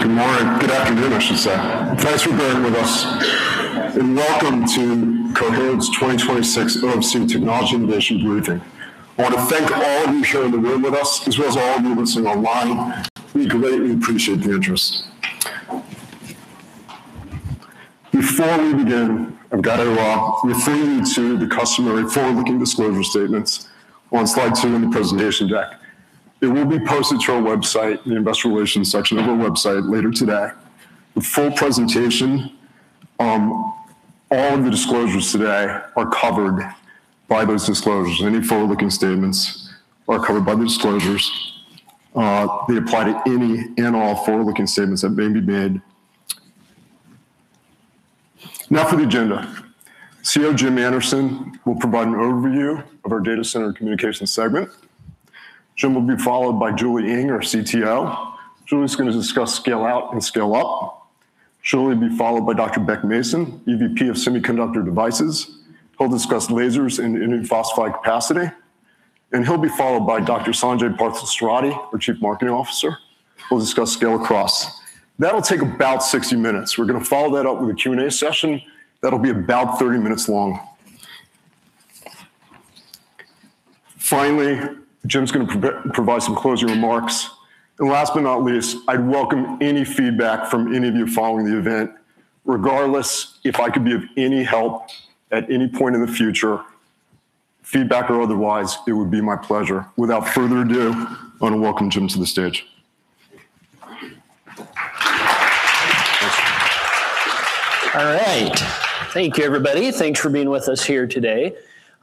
Good morning. Good afternoon, I should say. Thanks for bearing with us, and welcome to Coherent's 2026 OFC Technology Innovation Briefing. I wanna thank all of you here in the room with us, as well as all of you that's online. We greatly appreciate the interest. Before we begin, I've gotta refer you to the customary forward-looking disclosure statements on slide 2 in the presentation deck. It will be posted to our website, in the investor relations section of our website later today. The full presentation, all of the disclosures today are covered by those disclosures. Any forward-looking statements are covered by the disclosures. They apply to any and all forward-looking statements that may be made. Now for the agenda. CEO Jim Anderson will provide an overview of our data center communications segment. Jim will be followed by Julie Eng, our CTO. Julie's gonna discuss scale-out and scale-up. She'll be followed by Dr. Beck Mason, EVP of Semiconductor Devices. He'll discuss lasers and indium phosphide capacity, and he'll be followed by Dr. Sanjai Parthasarathi, our Chief Marketing Officer, who will discuss scale-across. That'll take about 60 minutes. We're gonna follow that up with a Q&A session that'll be about 30 minutes long. Finally, Jim's gonna provide some closing remarks. Last but not least, I'd welcome any feedback from any of you following the event. Regardless, if I could be of any help at any point in the future, feedback or otherwise, it would be my pleasure. Without further ado, I want to welcome Jim to the stage. All right. Thank you, everybody. Thanks for being with us here today.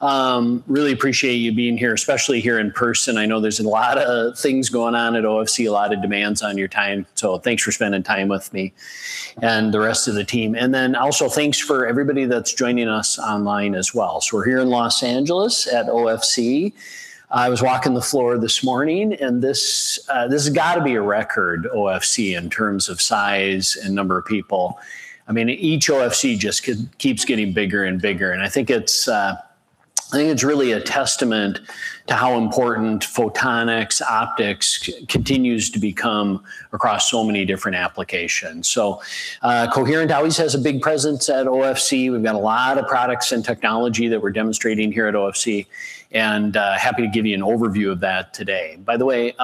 Really appreciate you being here, especially here in person. I know there's a lot of things going on at OFC, a lot of demands on your time, so thanks for spending time with me and the rest of the team. Thanks for everybody that's joining us online as well. We're here in Los Angeles at OFC. I was walking the floor this morning, and this has gotta be a record OFC in terms of size and number of people. I mean, each OFC keeps getting bigger and bigger, and I think it's really a testament to how important photonics, optics continues to become across so many different applications. Coherent always has a big presence at OFC. We've got a lot of products and technology that we're demonstrating here at OFC, and happy to give you an overview of that today. By the way,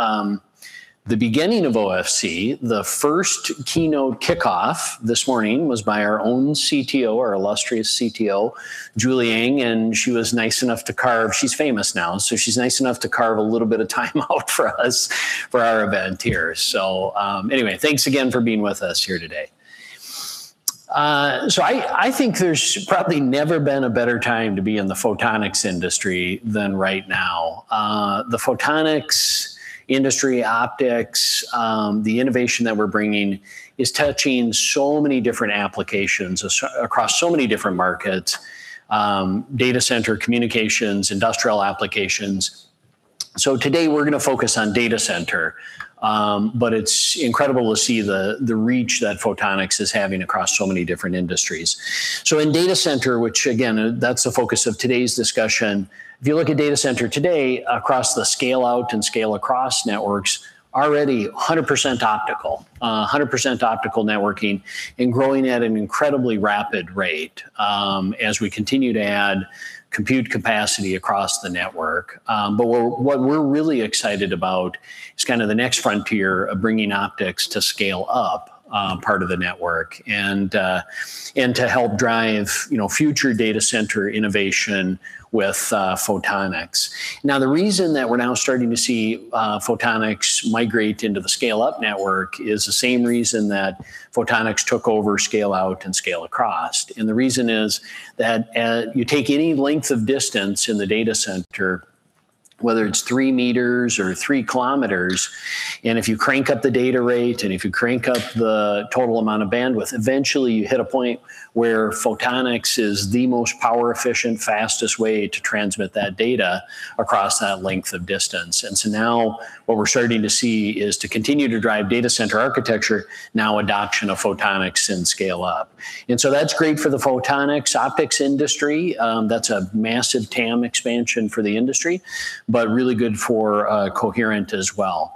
the beginning of OFC, the first keynote kickoff this morning was by our own CTO, our illustrious CTO, Julie Sheridan Eng. She's famous now, so she's nice enough to carve a little bit of time out for us for our event here. Anyway, thanks again for being with us here today. I think there's probably never been a better time to be in the photonics industry than right now. The photonics industry, optics, the innovation that we're bringing is touching so many different applications across so many different markets, data center communications, industrial applications. Today we're gonna focus on data center, but it's incredible to see the reach that photonics is having across so many different industries. In data center, which again, that's the focus of today's discussion, if you look at data center today across the scale-out and scale-across networks, already 100% optical, 100% optical networking and growing at an incredibly rapid rate, as we continue to add compute capacity across the network. But what we're really excited about is kinda the next frontier of bringing optics to scale-up part of the network and to help drive, you know, future data center innovation with photonics. Now, the reason that we're now starting to see photonics migrate into the scale-up network is the same reason that photonics took over scale-out and scale-across. The reason is that, you take any length of distance in the data center, whether it's three meters or three kilometers, and if you crank up the data rate, and if you crank up the total amount of bandwidth, eventually you hit a point where photonics is the most power efficient, fastest way to transmit that data across that length of distance. Now what we're starting to see is to continue to drive data center architecture, now adoption of photonics in scale up. That's great for the photonics, optics industry. That's a massive TAM expansion for the industry, but really good for, Coherent as well.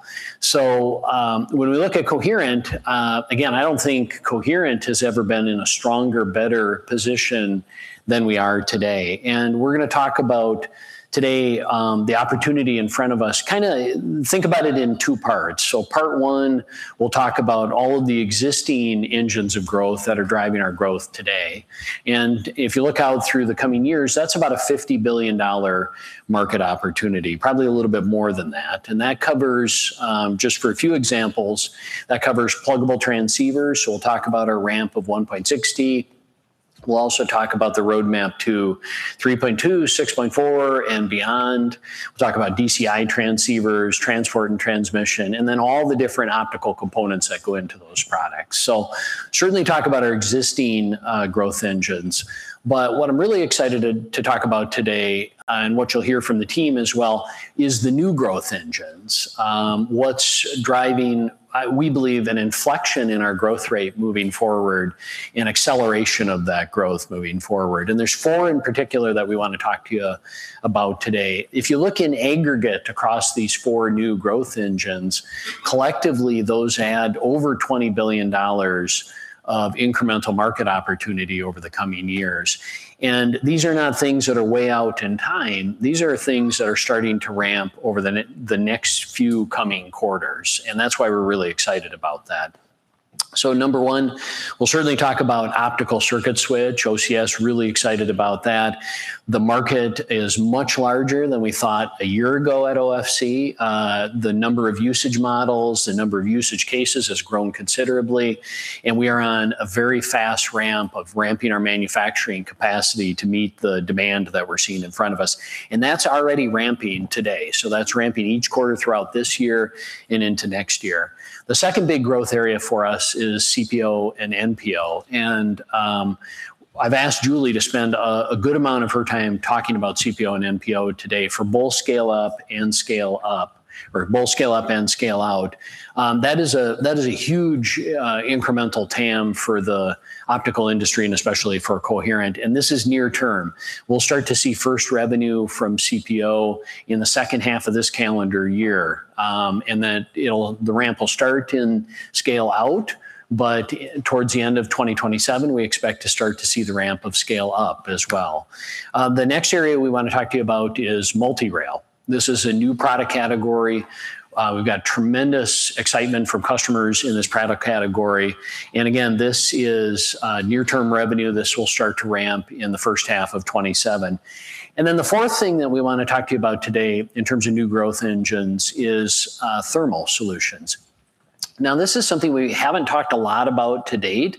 When we look at Coherent, again, I don't think Coherent has ever been in a stronger, better position than we are today. We're gonna talk about today, the opportunity in front of us. Kinda think about it in two parts. Part one, we'll talk about all of the existing engines of growth that are driving our growth today. If you look out through the coming years, that's about a $50 billion market opportunity, probably a little bit more than that. That covers, just for a few examples, that covers pluggable transceivers, so we'll talk about our ramp of 1.6T. We'll also talk about the roadmap to 3.2, 6.4 and beyond. We'll talk about DCI transceivers, transport and transmission, and then all the different optical components that go into those products. Certainly talk about our existing growth engines. What I'm really excited to talk about today, and what you'll hear from the team as well, is the new growth engines. What's driving, we believe an inflection in our growth rate moving forward and acceleration of that growth moving forward, and there's four in particular that we wanna talk to you about today. If you look in aggregate across these four new growth engines, collectively, those add over $20 billion of incremental market opportunity over the coming years. These are not things that are way out in time. These are things that are starting to ramp over the next few coming quarters, and that's why we're really excited about that. Number one, we'll certainly talk about optical circuit switch, OCS, really excited about that. The market is much larger than we thought a year ago at OFC. The number of usage models, the number of usage cases has grown considerably, and we are on a very fast ramp of ramping our manufacturing capacity to meet the demand that we're seeing in front of us. That's already ramping today. That's ramping each quarter throughout this year and into next year. The second big growth area for us is CPO and NPO. I've asked Julie to spend a good amount of her time talking about CPO and NPO today for both scale-up and scale-out. That is a huge incremental TAM for the optical industry and especially for Coherent, and this is near term. We'll start to see first revenue from CPO in the second half of this calendar year. The ramp will start in scale-out, but towards the end of 2027, we expect to start to see the ramp of scale-up as well. The next area we want to talk to you about is Multi-Rail. This is a new product category. We've got tremendous excitement from customers in this product category. Again, this is near-term revenue. This will start to ramp in the first half of 2027. The fourth thing that we want to talk to you about today in terms of new growth engines is thermal solutions. Now, this is something we haven't talked a lot about to date,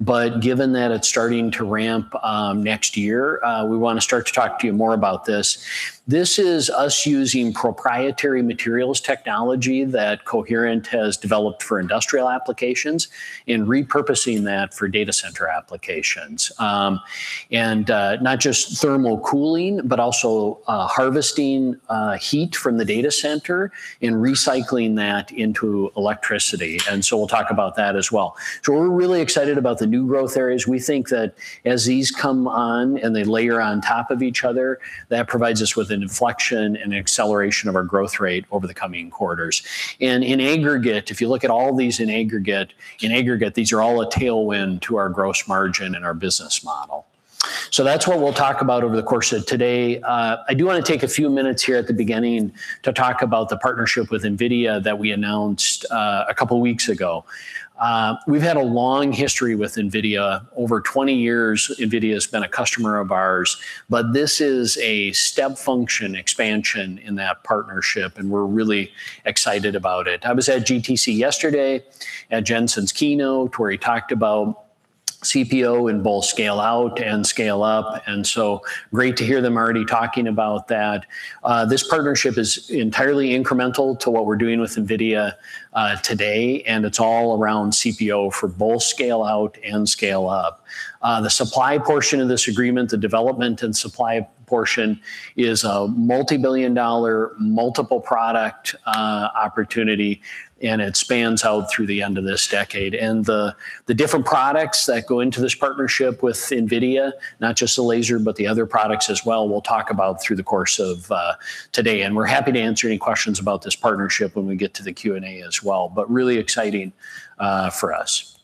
but given that it's starting to ramp next year, we want to start to talk to you more about this. This is us using proprietary materials technology that Coherent has developed for industrial applications and repurposing that for data center applications. Not just thermal cooling, but also harvesting heat from the data center and recycling that into electricity. We'll talk about that as well. We're really excited about the new growth areas. We think that as these come on and they layer on top of each other, that provides us with an inflection and acceleration of our growth rate over the coming quarters. In aggregate, if you look at all these are all a tailwind to our gross margin and our business model. That's what we'll talk about over the course of today. I do want to take a few minutes here at the beginning to talk about the partnership with NVIDIA that we announced, a couple weeks ago. We've had a long history with NVIDIA. Over 20 years, NVIDIA has been a customer of ours, but this is a step function expansion in that partnership, and we're really excited about it. I was at GTC yesterday at Jensen's keynote, where he talked about CPO in both scale-out and scale-up, and so great to hear them already talking about that. This partnership is entirely incremental to what we're doing with NVIDIA, today, and it's all around CPO for both scale-out and scale-up. The supply portion of this agreement, the development and supply portion, is a $ multi-billion-dollar, multiple-product opportunity, and it spans out through the end of this decade The different products that go into this partnership with NVIDIA, not just the laser, but the other products as well, we'll talk about through the course of today. We're happy to answer any questions about this partnership when we get to the Q&A as well, but really exciting for us.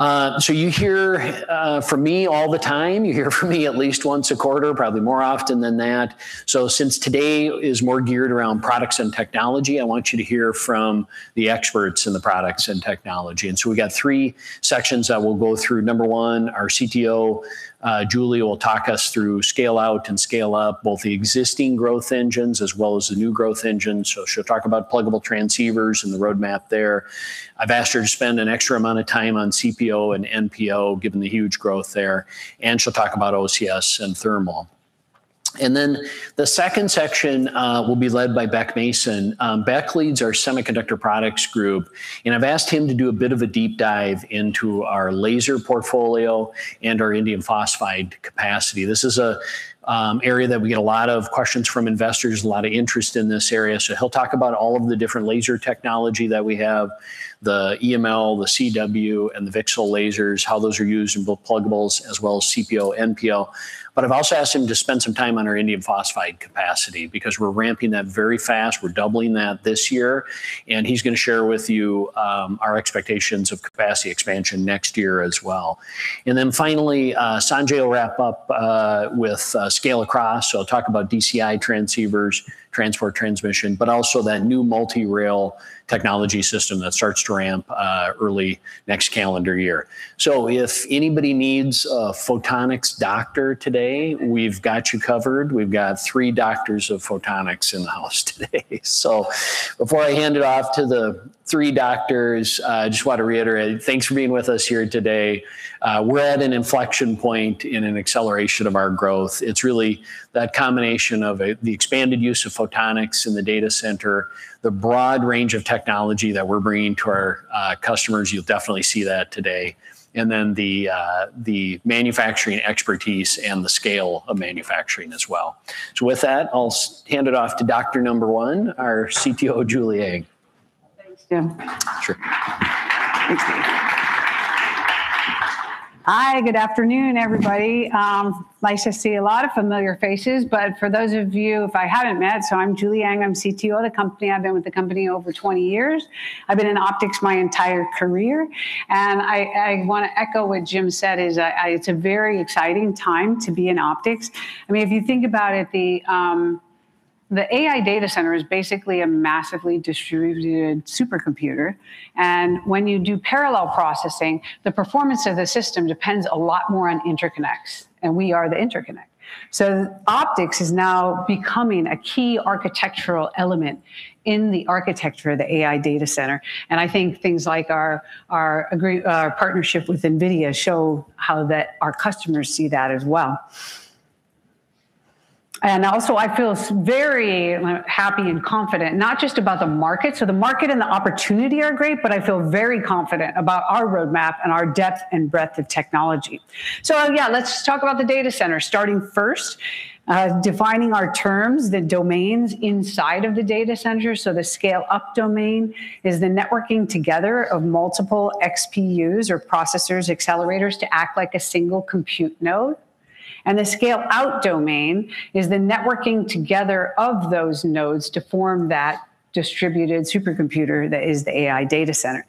You hear from me all the time. You hear from me at least once a quarter, probably more often than that. Since today is more geared around products and technology, I want you to hear from the experts in the products and technology. We got three sections that we'll go through. Number one, our CTO, Julie Eng, will talk us through scale-out and scale-up, both the existing growth engines as well as the new growth engines. She'll talk about pluggable transceivers and the roadmap there. I've asked her to spend an extra amount of time on CPO and NPO, given the huge growth there. She'll talk about OCS and thermal. The second section will be led by Beck Mason. Beck leads our semiconductor products group, and I've asked him to do a bit of a deep dive into our laser portfolio and our indium phosphide capacity. This is an area that we get a lot of questions from investors, a lot of interest in this area. He'll talk about all of the different laser technology that we have, the EML, the CW, and the VCSEL lasers, how those are used in both pluggables as well as CPO, NPO. I've also asked him to spend some time on our indium phosphide capacity because we're ramping that very fast. We're doubling that this year, and he's going to share with you our expectations of capacity expansion next year as well. Then finally, Sanjai will wrap up with scale across. He'll talk about DCI transceivers, transport transmission, but also that new Multi-Rail technology system that starts to ramp early next calendar year. If anybody needs a photonics doctor today, we've got you covered. We've got three doctors of photonics in the house today. Before I hand it off to the three doctors, I just want to reiterate, thanks for being with us here today. We're at an inflection point in an acceleration of our growth. It's really that combination of the expanded use of photonics in the data center, the broad range of technology that we're bringing to our customers. You'll definitely see that today. The manufacturing expertise and the scale of manufacturing as well. With that, I'll hand it off to doctor number one, our CTO, Julie Eng. Thanks, Jim. Sure. Thanks, Jim. Hi, good afternoon, everybody. Nice to see a lot of familiar faces, but for those of you, if I haven't met, I'm Julie Eng, I'm CTO of the company. I've been with the company over 20 years. I've been in optics my entire career. I want to echo what Jim said is, it's a very exciting time to be in optics. I mean, if you think about it, the AI data center is basically a massively distributed supercomputer, and when you do parallel processing, the performance of the system depends a lot more on interconnects, and we are the interconnect. Optics is now becoming a key architectural element in the architecture of the AI data center, and I think things like our partnership with NVIDIA show how that our customers see that as well. I feel very happy and confident, not just about the market. The market and the opportunity are great, but I feel very confident about our roadmap and our depth and breadth of technology. Yeah, let's talk about the data center, starting first, defining our terms, the domains inside of the data center. The scale-up domain is the networking together of multiple XPUs or processors, accelerators to act like a single compute node. The scale-out domain is the networking together of those nodes to form that distributed supercomputer that is the AI data center.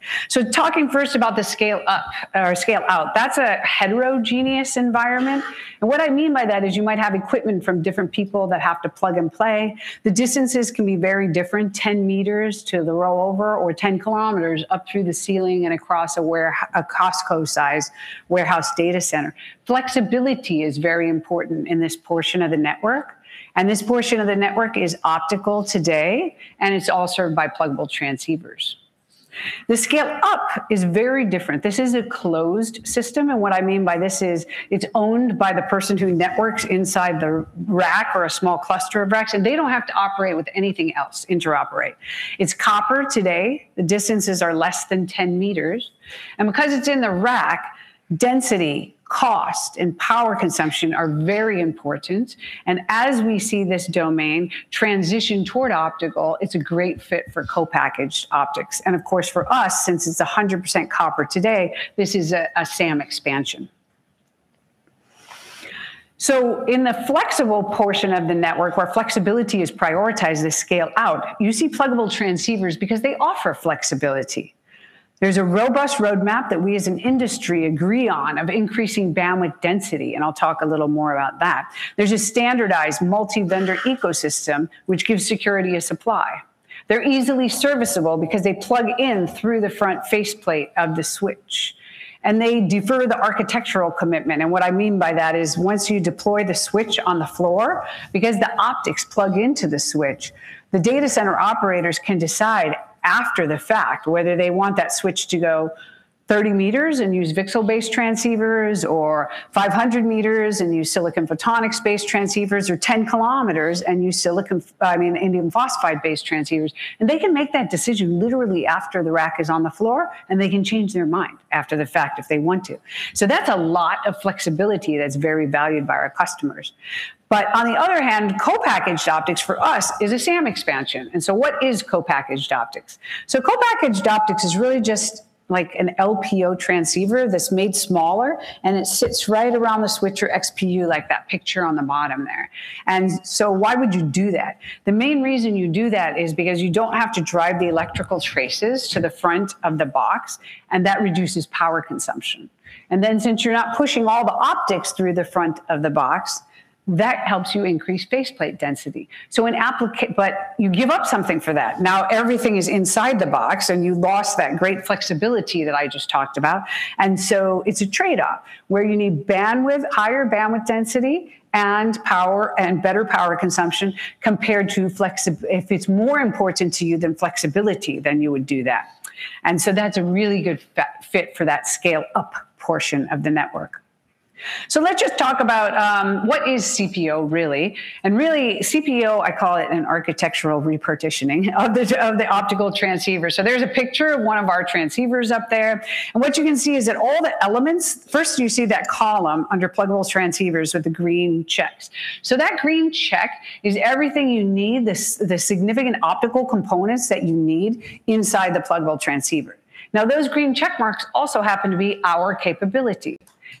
Talking first about the scale-up or scale-out, that's a heterogeneous environment. What I mean by that is you might have equipment from different people that have to plug and play. The distances can be very different, 10 meters to the rollover or 10 kilometers up through the ceiling and across a warehouse data center. Flexibility is very important in this portion of the network, and this portion of the network is optical today, and it's all served by pluggable transceivers. The scale up is very different. This is a closed system, and what I mean by this is it's owned by the person who networks inside the rack or a small cluster of racks, and they don't have to operate with anything else, interoperate. It's copper today. The distances are less than 10 meters. Because it's in the rack, density, cost, and power consumption are very important. As we see this domain transition toward optical, it's a great fit for co-packaged optics. Of course for us, since it's 100% copper today, this is a SAM expansion. In the flexible portion of the network where flexibility is prioritized to scale out, you see pluggable transceivers because they offer flexibility. There's a robust roadmap that we as an industry agree on of increasing bandwidth density, and I'll talk a little more about that. There's a standardized multi-vendor ecosystem which gives security of supply. They're easily serviceable because they plug in through the front faceplate of the switch, and they defer the architectural commitment. What I mean by that is once you deploy the switch on the floor, because the optics plug into the switch, the data center operators can decide after the fact whether they want that switch to go 30 meters and use VCSEL-based transceivers or 500 meters and use silicon photonics-based transceivers or 10 kilometers and use silicon—I mean, indium phosphide-based transceivers. They can make that decision literally after the rack is on the floor, and they can change their mind after the fact if they want to. That's a lot of flexibility that's very valued by our customers. On the other hand, co-packaged optics for us is a SAM expansion. What is co-packaged optics? Co-packaged optics is really just like an LPO transceiver that's made smaller, and it sits right around the switch or XPU like that picture on the bottom there. Why would you do that? The main reason you do that is because you don't have to drive the electrical traces to the front of the box, and that reduces power consumption. Since you're not pushing all the optics through the front of the box, that helps you increase faceplate density. But you give up something for that. Now everything is inside the box, and you lost that great flexibility that I just talked about. It's a trade-off where you need bandwidth, higher bandwidth density and power and better power consumption compared to if it's more important to you than flexibility, then you would do that. That's a really good fit for that scale-up portion of the network. Let's just talk about what is CPO really? Really, CPO, I call it an architectural repartitioning of the optical transceiver. There's a picture of one of our transceivers up there. What you can see is that all the elements, first you see that column under pluggable transceivers with the green checks. That green check is everything you need, the significant optical components that you need inside the pluggable transceiver. Now, those green check marks also happen to be our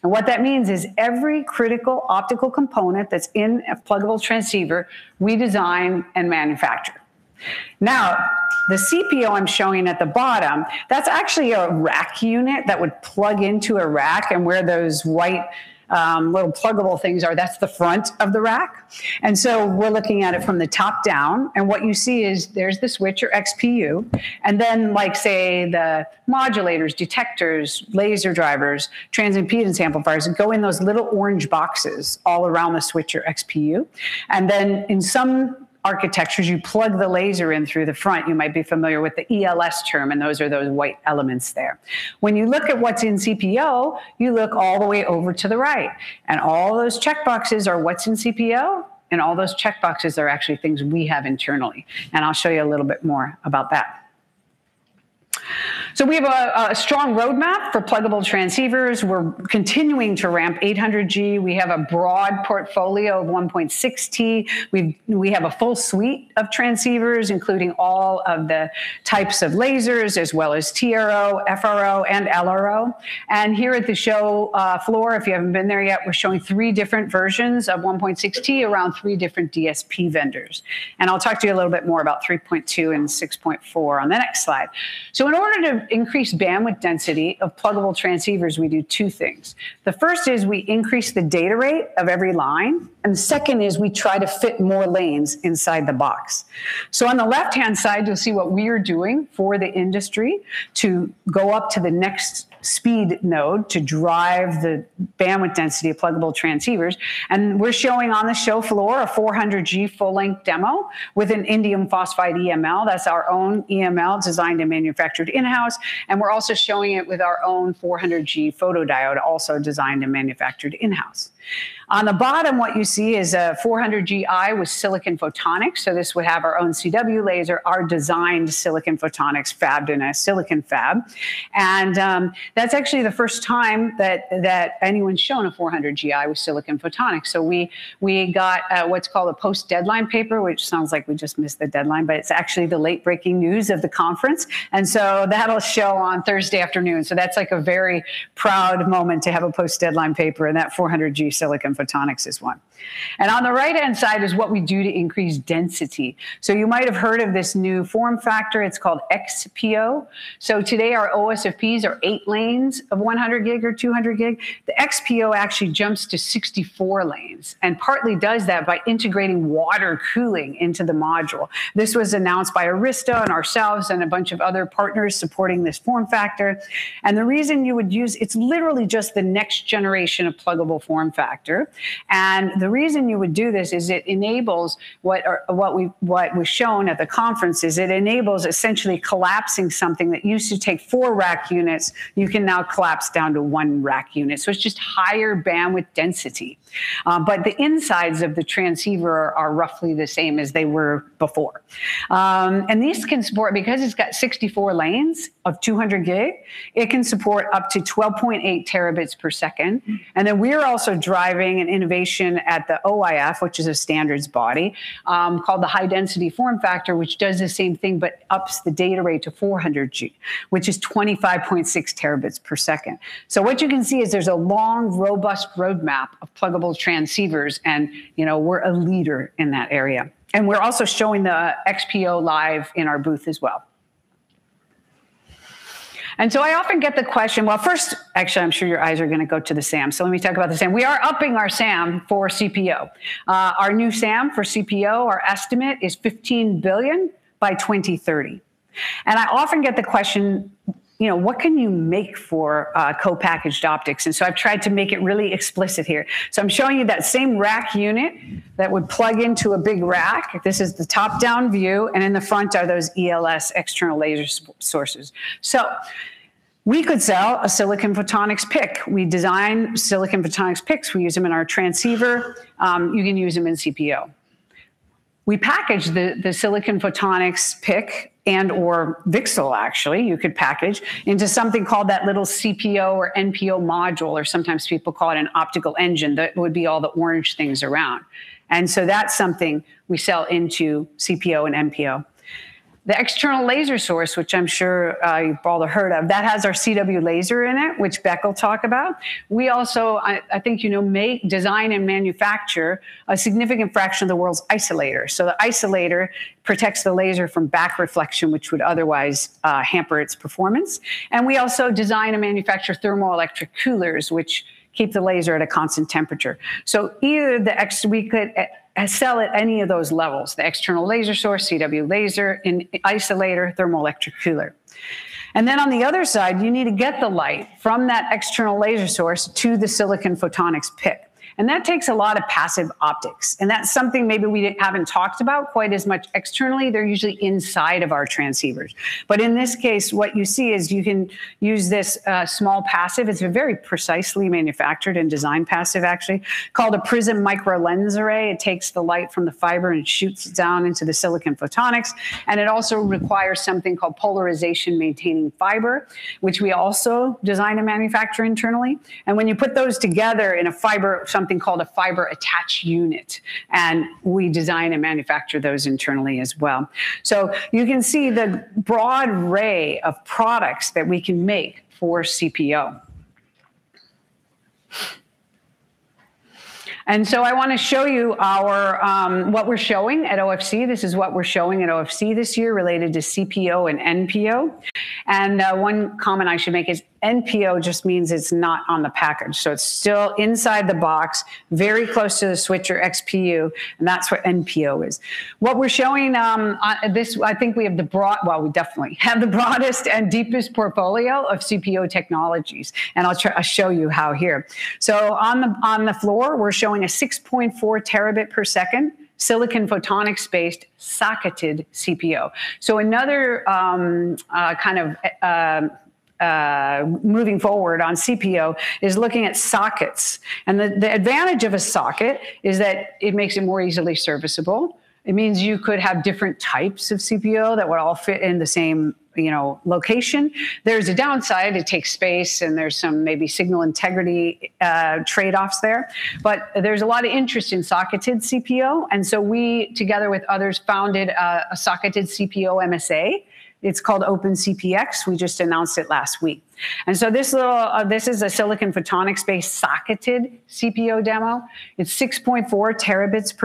capability. What that means is every critical optical component that's in a pluggable transceiver we design and manufacture. Now, the CPO I'm showing at the bottom, that's actually a rack unit that would plug into a rack, and where those white, little pluggable things are, that's the front of the rack. We're looking at it from the top down, and what you see is there's the switcher XPU, and then, like say, the modulators, detectors, laser drivers, transimpedance amplifiers go in those little orange boxes all around the switcher XPU. In some architectures, you plug the laser in through the front. You might be familiar with the ELS term, and those are those white elements there. When you look at what's in CPO, you look all the way over to the right, and all those checkboxes are what's in CPO, and all those checkboxes are actually things we have internally. I'll show you a little bit more about that. We have a strong roadmap for pluggable transceivers. We're continuing to ramp 800G. We have a broad portfolio of 1.6T. We have a full suite of transceivers, including all of the types of lasers, as well as TRO, FRO, and LRO. Here at the show floor, if you haven't been there yet, we're showing three different versions of 1.6T around three different DSP vendors. I'll talk to you a little bit more about 3.2 and 6.4 on the next slide. In order to increase bandwidth density of pluggable transceivers, we do two things. The first is we increase the data rate of every line, and the second is we try to fit more lanes inside the box. On the left-hand side, you'll see what we're doing for the industry to go up to the next speed node to drive the bandwidth density of pluggable transceivers. We're showing on the show floor a 400G full-length demo with an indium phosphide EML. That's our own EML designed and manufactured in-house. We're also showing it with our own 400G photodiode, also designed and manufactured in-house. On the bottom, what you see is a 400G with silicon photonics. This would have our own CW laser, our designed silicon photonics fabbed in a silicon fab. That's actually the first time that anyone's shown a 400G with silicon photonics. We got what's called a post-deadline paper, which sounds like we just missed the deadline, but it's actually the late breaking news of the conference. That'll show on Thursday afternoon. That's like a very proud moment to have a post-deadline paper, and that 400G silicon photonics is one. On the right-hand side is what we do to increase density. You might have heard of this new form factor. It's called XPO. Today, our OSFPs are 8 lanes of 100 gig or 200 gig. The XPO actually jumps to 64 lanes and partly does that by integrating water cooling into the module. This was announced by Arista and ourselves and a bunch of other partners supporting this form factor. It's literally just the next generation of pluggable form factor. The reason you would do this is it enables what was shown at the conference, essentially collapsing something that used to take 4 rack units. You can now collapse down to 1 rack unit. It's just higher bandwidth density. The insides of the transceiver are roughly the same as they were before. These can support because it's got 64 lanes of 200 gig, it can support up to 12.8 terabits per second. We're also driving an innovation at the OIF, which is a standards body, called the high-density form factor, which does the same thing but ups the data rate to 400 G, which is 25.6 terabits per second. What you can see is there's a long, robust roadmap of pluggable transceivers, and, you know, we're a leader in that area. We're also showing the XPO live in our booth as well. I often get the question. Well, first, actually, I'm sure your eyes are going to go to the SAM, so let me talk about the SAM. We are upping our SAM for CPO. Our new SAM for CPO, our estimate is $15 billion by 2030. I often get the question, you know, "What can you make for co-packaged optics?" I've tried to make it really explicit here. I'm showing you that same rack unit that would plug into a big rack. This is the top-down view, and in the front are those ELS, external laser sources. We could sell a silicon photonics PIC. We design silicon photonics PICs. We use them in our transceiver. You can use them in CPO. We package the silicon photonics PIC and/or VCSEL, actually, you could package into something called that little CPO or NPO module, or sometimes people call it an optical engine. That would be all the orange things around. That's something we sell into CPO and NPO. The external laser source, which I'm sure you've all heard of, that has our CW laser in it, which Beck will talk about. We also, I think you know, make, design, and manufacture a significant fraction of the world's isolator. The isolator protects the laser from back reflection, which would otherwise hamper its performance. We also design and manufacture thermoelectric coolers, which keep the laser at a constant temperature. Either we could sell at any of those levels, the external laser source, CW laser, in isolator, thermoelectric cooler. Then on the other side, you need to get the light from that external laser source to the silicon photonics PIC. That takes a lot of passive optics, and that's something maybe we haven't talked about quite as much externally. They're usually inside of our transceivers. In this case, what you see is you can use this, small passive. It's a very precisely manufactured and designed passive, actually, called a Prism Micro-Lens Array. It takes the light from the fiber, and it shoots down into the silicon photonics. It also requires something called polarization maintaining fiber, which we also design and manufacture internally. When you put those together in a fiber, something called a fiber attach unit, and we design and manufacture those internally as well. You can see the broad array of products that we can make for CPO. I want to show you our, what we're showing at OFC. This is what we're showing at OFC this year related to CPO and NPO. One comment I should make is NPO just means it's not on the package. It's still inside the box, very close to the switcher XPU, and that's what NPO is. What we're showing, I think we have the broadest and deepest portfolio of CPO technologies, and I'll show you how here. On the floor, we're showing a 6.4 terabit per second silicon photonics-based socketed CPO. Another moving forward on CPO is looking at sockets. The advantage of a socket is that it makes it more easily serviceable. It means you could have different types of CPO that would all fit in the same, you know, location. There's a downside. It takes space, and there's some maybe signal integrity trade-offs there. There's a lot of interest in socketed CPO, and so we, together with others, founded a socketed CPO MSA. It's called Open CPX. We just announced it last week. This is a silicon photonics-based socketed CPO demo. It's 6.4 Tbps,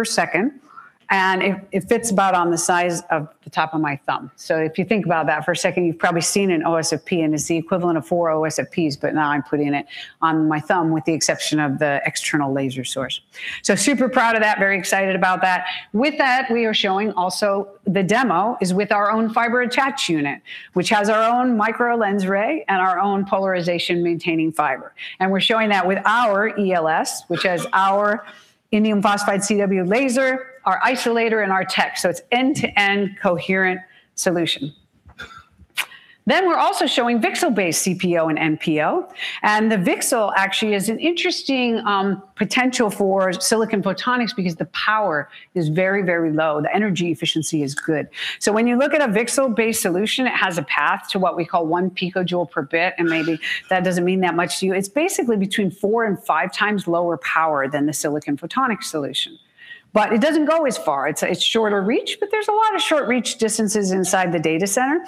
and it fits about on the size of the top of my thumb. If you think about that for a second, you've probably seen an OSFP, and it's the equivalent of 4 OSFPs, but now I'm putting it on my thumb with the exception of the external laser source. Super proud of that, very excited about that. With that, we are showing also the demo is with our own fiber attach unit, which has our own micro lens array and our own polarization maintaining fiber. We're showing that with our ELS, which has our indium phosphide CW laser, our isolator, and our tech. It's end-to-end coherent solution. We're also showing VCSEL-based CPO and NPO, and the VCSEL actually is an interesting potential for silicon photonics because the power is very, very low. The energy efficiency is good. When you look at a VCSEL-based solution, it has a path to what we call one picojoule per bit, and maybe that doesn't mean that much to you. It's basically between four and five times lower power than the silicon photonics solution. But it doesn't go as far. It's a shorter reach, but there's a lot of short-reach distances inside the data center.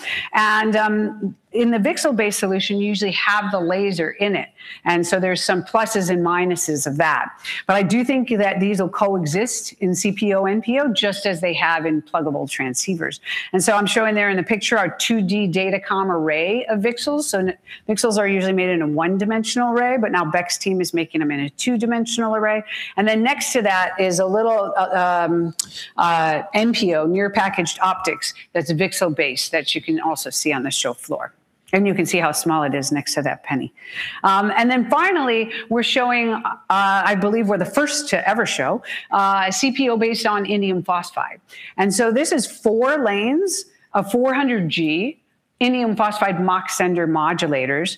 In the VCSEL-based solution, you usually have the laser in it, and so there's some pluses and minuses of that. I do think that these will coexist in CPO, NPO, just as they have in pluggable transceivers. I'm showing there in the picture our 2D Datacom array of VCSELs. VCSELs are usually made in a 1-dimensional array, but now Beck's team is making them in a 2-dimensional array. Next to that is a little NPO, near packaged optics, that's VCSEL-based that you can also see on the show floor. You can see how small it is next to that penny. Finally, we're showing, I believe we're the first to ever show, a CPO based on indium phosphide. This is 4 lanes of 400G indium phosphide Mach-Zehnder modulators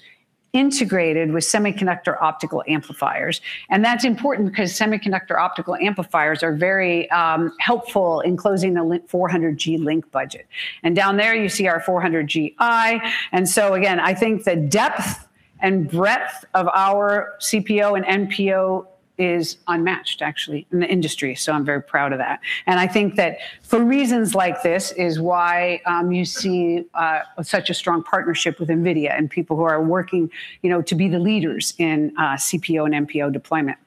integrated with semiconductor optical amplifiers. That's important because semiconductor optical amplifiers are very helpful in closing the 400G link budget. Down there you see our 400G AI. Again, I think the depth and breadth of our CPO and NPO is unmatched actually in the industry. I'm very proud of that. I think that for reasons like this is why you see such a strong partnership with NVIDIA and people who are working, you know, to be the leaders in CPO and NPO deployment.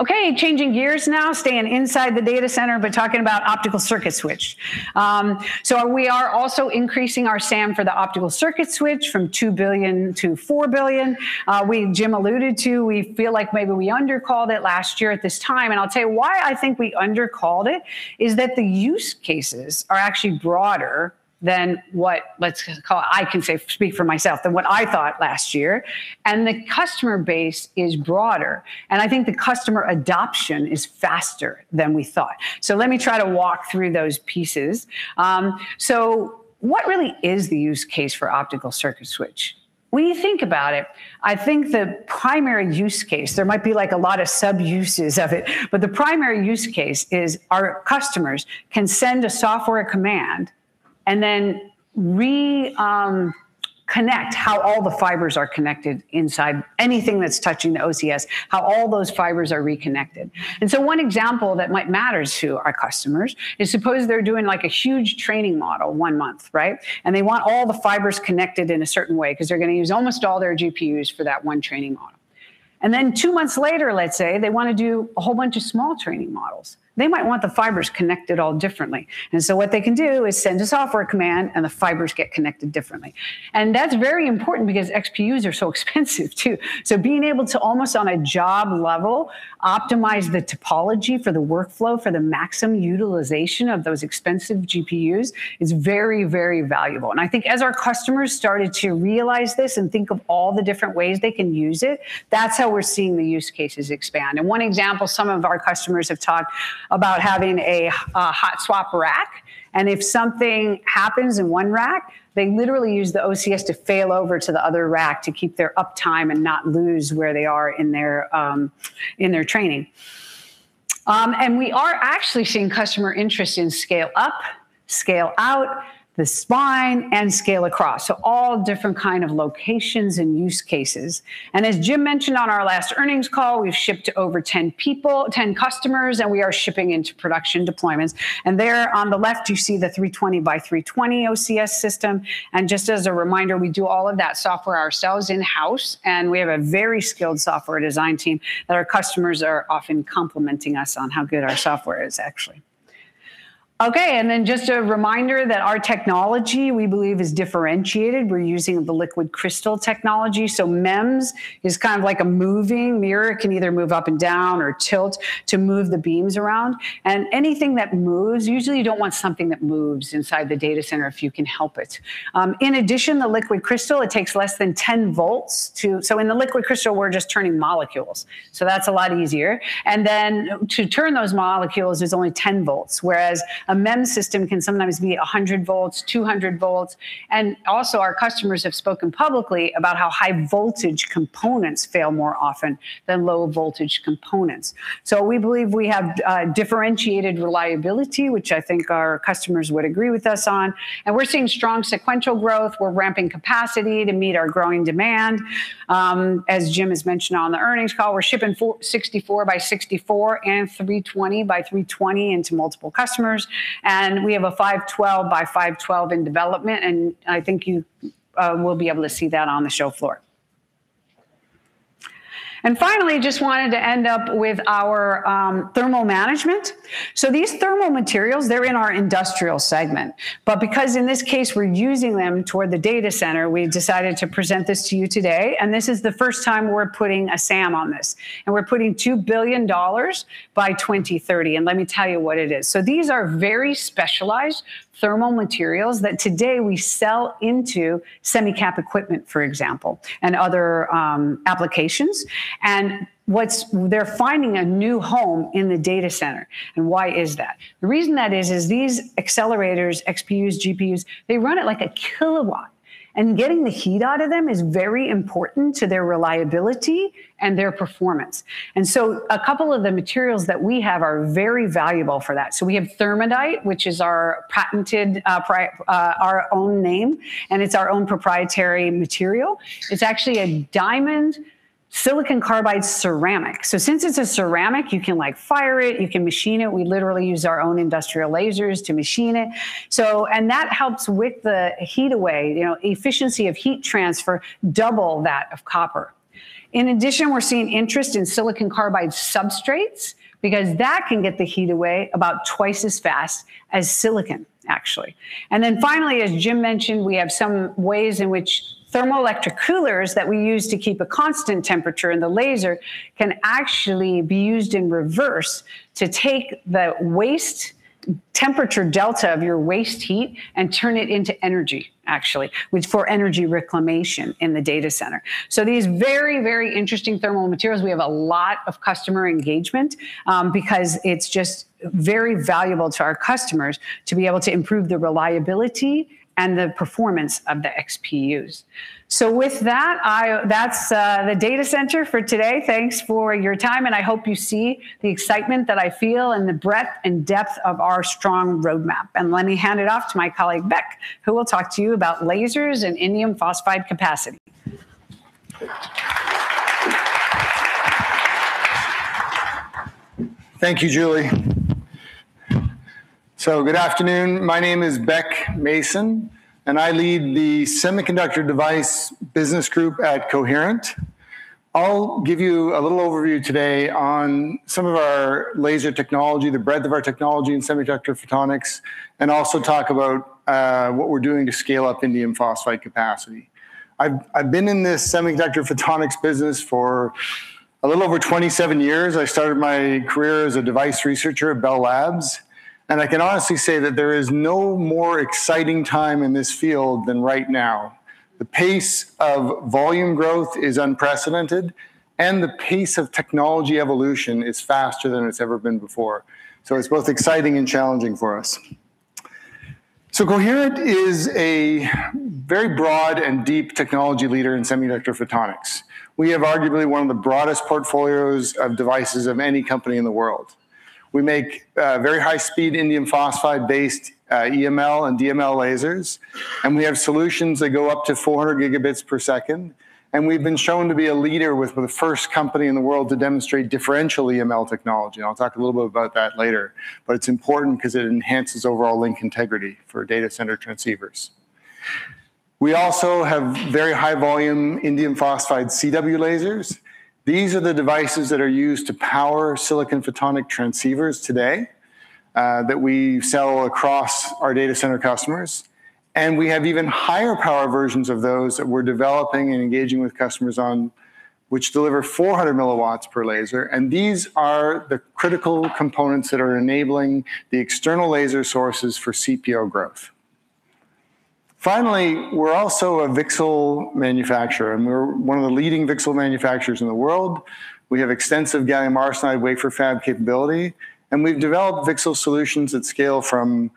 Okay, changing gears now, staying inside the data center, but talking about optical circuit switch. We are also increasing our SAM for the optical circuit switch from $2 billion to $4 billion. Jim alluded to. We feel like maybe we under-called it last year at this time, and I'll tell you why I think we under-called it, is that the use cases are actually broader than what, let's call it, I can say, speak for myself, than what I thought last year. The customer base is broader. I think the customer adoption is faster than we thought. Let me try to walk through those pieces. What really is the use case for optical circuit switch? When you think about it, I think the primary use case, there might be like a lot of sub-uses of it, but the primary use case is our customers can send a software command and then reconnect how all the fibers are connected inside anything that's touching the OCS, how all those fibers are reconnected. One example that might matter to our customers is suppose they're doing like a huge training model one month, right? They want all the fibers connected in a certain way because they're gonna use almost all their GPUs for that one training model. Two months later, let's say, they wanna do a whole bunch of small training models. They might want the fibers connected all differently. What they can do is send a software command, and the fibers get connected differently. That's very important because XPUs are so expensive too. Being able to almost on a job level optimize the topology for the workflow, for the maximum utilization of those expensive GPUs is very, very valuable. I think as our customers started to realize this and think of all the different ways they can use it, that's how we're seeing the use cases expand. One example, some of our customers have talked about having a hot swap rack, and if something happens in one rack, they literally use the OCS to fail over to the other rack to keep their uptime and not lose where they are in their training. We are actually seeing customer interest in scale up, scale out, the spine, and scale across. All different kind of locations and use cases. As Jim mentioned on our last earnings call, we've shipped to over 10 customers, and we are shipping into production deployments. There on the left, you see the 320 by 320 OCS system. Just as a reminder, we do all of that software ourselves in-house, and we have a very skilled software design team that our customers are often complimenting us on how good our software is actually. Okay, just a reminder that our technology, we believe, is differentiated. We're using the liquid crystal technology. MEMS is kind of like a moving mirror. It can either move up and down or tilt to move the beams around. Anything that moves, usually you don't want something that moves inside the data center if you can help it. In addition, the liquid crystal takes less than 10 volts. In the liquid crystal, we're just turning molecules, so that's a lot easier. To turn those molecules is only 10 volts, whereas a MEMS system can sometimes be 100 volts, 200 volts. Also, our customers have spoken publicly about how high voltage components fail more often than low voltage components. We believe we have differentiated reliability, which I think our customers would agree with us on. We're seeing strong sequential growth. We're ramping capacity to meet our growing demand. As Jim has mentioned on the earnings call, we're shipping 64 by 64 and 320 by 320 into multiple customers. We have a 512 by 512 in development, and I think you will be able to see that on the show floor. Finally, just wanted to end up with our thermal management. These thermal materials, they're in our industrial segment. Because in this case, we're using them toward the data center, we decided to present this to you today. This is the first time we're putting a TAM on this, and we're putting $2 billion by 2030. Let me tell you what it is. These are very specialized thermal materials that today we sell into semicon equipment, for example, and other applications. They're finding a new home in the data center. Why is that? The reason that is these accelerators, XPUs, GPUs, they run at like a kilowatt, and getting the heat out of them is very important to their reliability and their performance. A couple of the materials that we have are very valuable for that. We have ThermaDite, which is our patented, our own name, and it's our own proprietary material. It's actually a diamond silicon carbide ceramic. Since it's a ceramic, you can like fire it, you can machine it. We literally use our own industrial lasers to machine it. That helps wick the heat away, you know, efficiency of heat transfer, double that of copper. In addition, we're seeing interest in silicon carbide substrates because that can get the heat away about twice as fast as silicon, actually. Then finally, as Jim mentioned, we have some ways in which thermoelectric coolers that we use to keep a constant temperature in the laser can actually be used in reverse to take the waste temperature delta of your waste heat and turn it into energy, actually, with for energy reclamation in the data center. These very, very interesting thermal materials, we have a lot of customer engagement, because it's just very valuable to our customers to be able to improve the reliability and the performance of the XPUs. With that's the data center for today. Thanks for your time, and I hope you see the excitement that I feel and the breadth and depth of our strong roadmap. Let me hand it off to my colleague, Beck, who will talk to you about lasers and indium phosphide capacity. Thank you, Julie. Good afternoon. My name is Beck Mason, and I lead the semiconductor device business group at Coherent. I'll give you a little overview today on some of our laser technology, the breadth of our technology in semiconductor photonics, and also talk about what we're doing to scale up indium phosphide capacity. I've been in this semiconductor photonics business for a little over 27 years. I started my career as a device researcher at Bell Labs, and I can honestly say that there is no more exciting time in this field than right now. The pace of volume growth is unprecedented, and the pace of technology evolution is faster than it's ever been before. It's both exciting and challenging for us. Coherent is a very broad and deep technology leader in semiconductor photonics. We have arguably one of the broadest portfolios of devices of any company in the world. We make very high-speed indium phosphide-based EML and DML lasers, and we have solutions that go up to 400 Gb/s. We've been shown to be a leader with the first company in the world to demonstrate differential EML technology, and I'll talk a little bit about that later. It's important 'cause it enhances overall link integrity for data center transceivers. We also have very high volume indium phosphide CW lasers. These are the devices that are used to power silicon photonic transceivers today that we sell across our data center customers. We have even higher power versions of those that we're developing and engaging with customers on which deliver 400 mW per laser. These are the critical components that are enabling the external laser sources for CPO growth. Finally, we're also a VCSEL manufacturer, and we're one of the leading VCSEL manufacturers in the world. We have extensive gallium arsenide wafer fab capability, and we've developed VCSEL solutions that scale from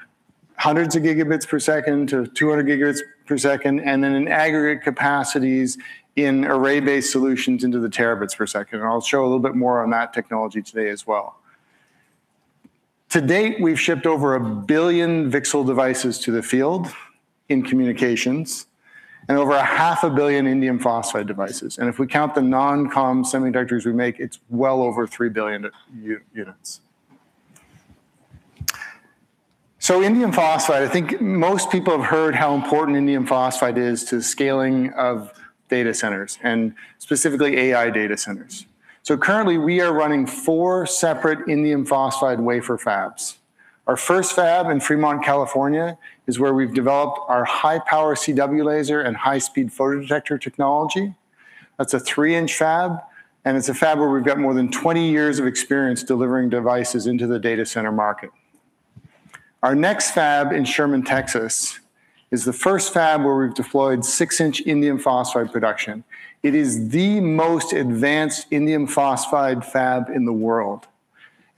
hundreds of gigabits per second to 200 gigabits per second, and then in aggregate capacities in array-based solutions into the terabits per second. I'll show a little bit more on that technology today as well. To date, we've shipped over 1 billion VCSEL devices to the field in communications and over 500 million indium phosphide devices. If we count the non-com semiconductors we make, it's well over 3 billion units. Indium phosphide, I think most people have heard how important indium phosphide is to the scaling of data centers, and specifically AI data centers. Currently, we are running 4 separate indium phosphide wafer fabs. Our first fab in Fremont, California, is where we've developed our high-power CW laser and high-speed photodetector technology. That's a 3-inch fab, and it's a fab where we've got more than 20 years of experience delivering devices into the data center market. Our next fab in Sherman, Texas, is the first fab where we've deployed 6-inch indium phosphide production. It is the most advanced indium phosphide fab in the world.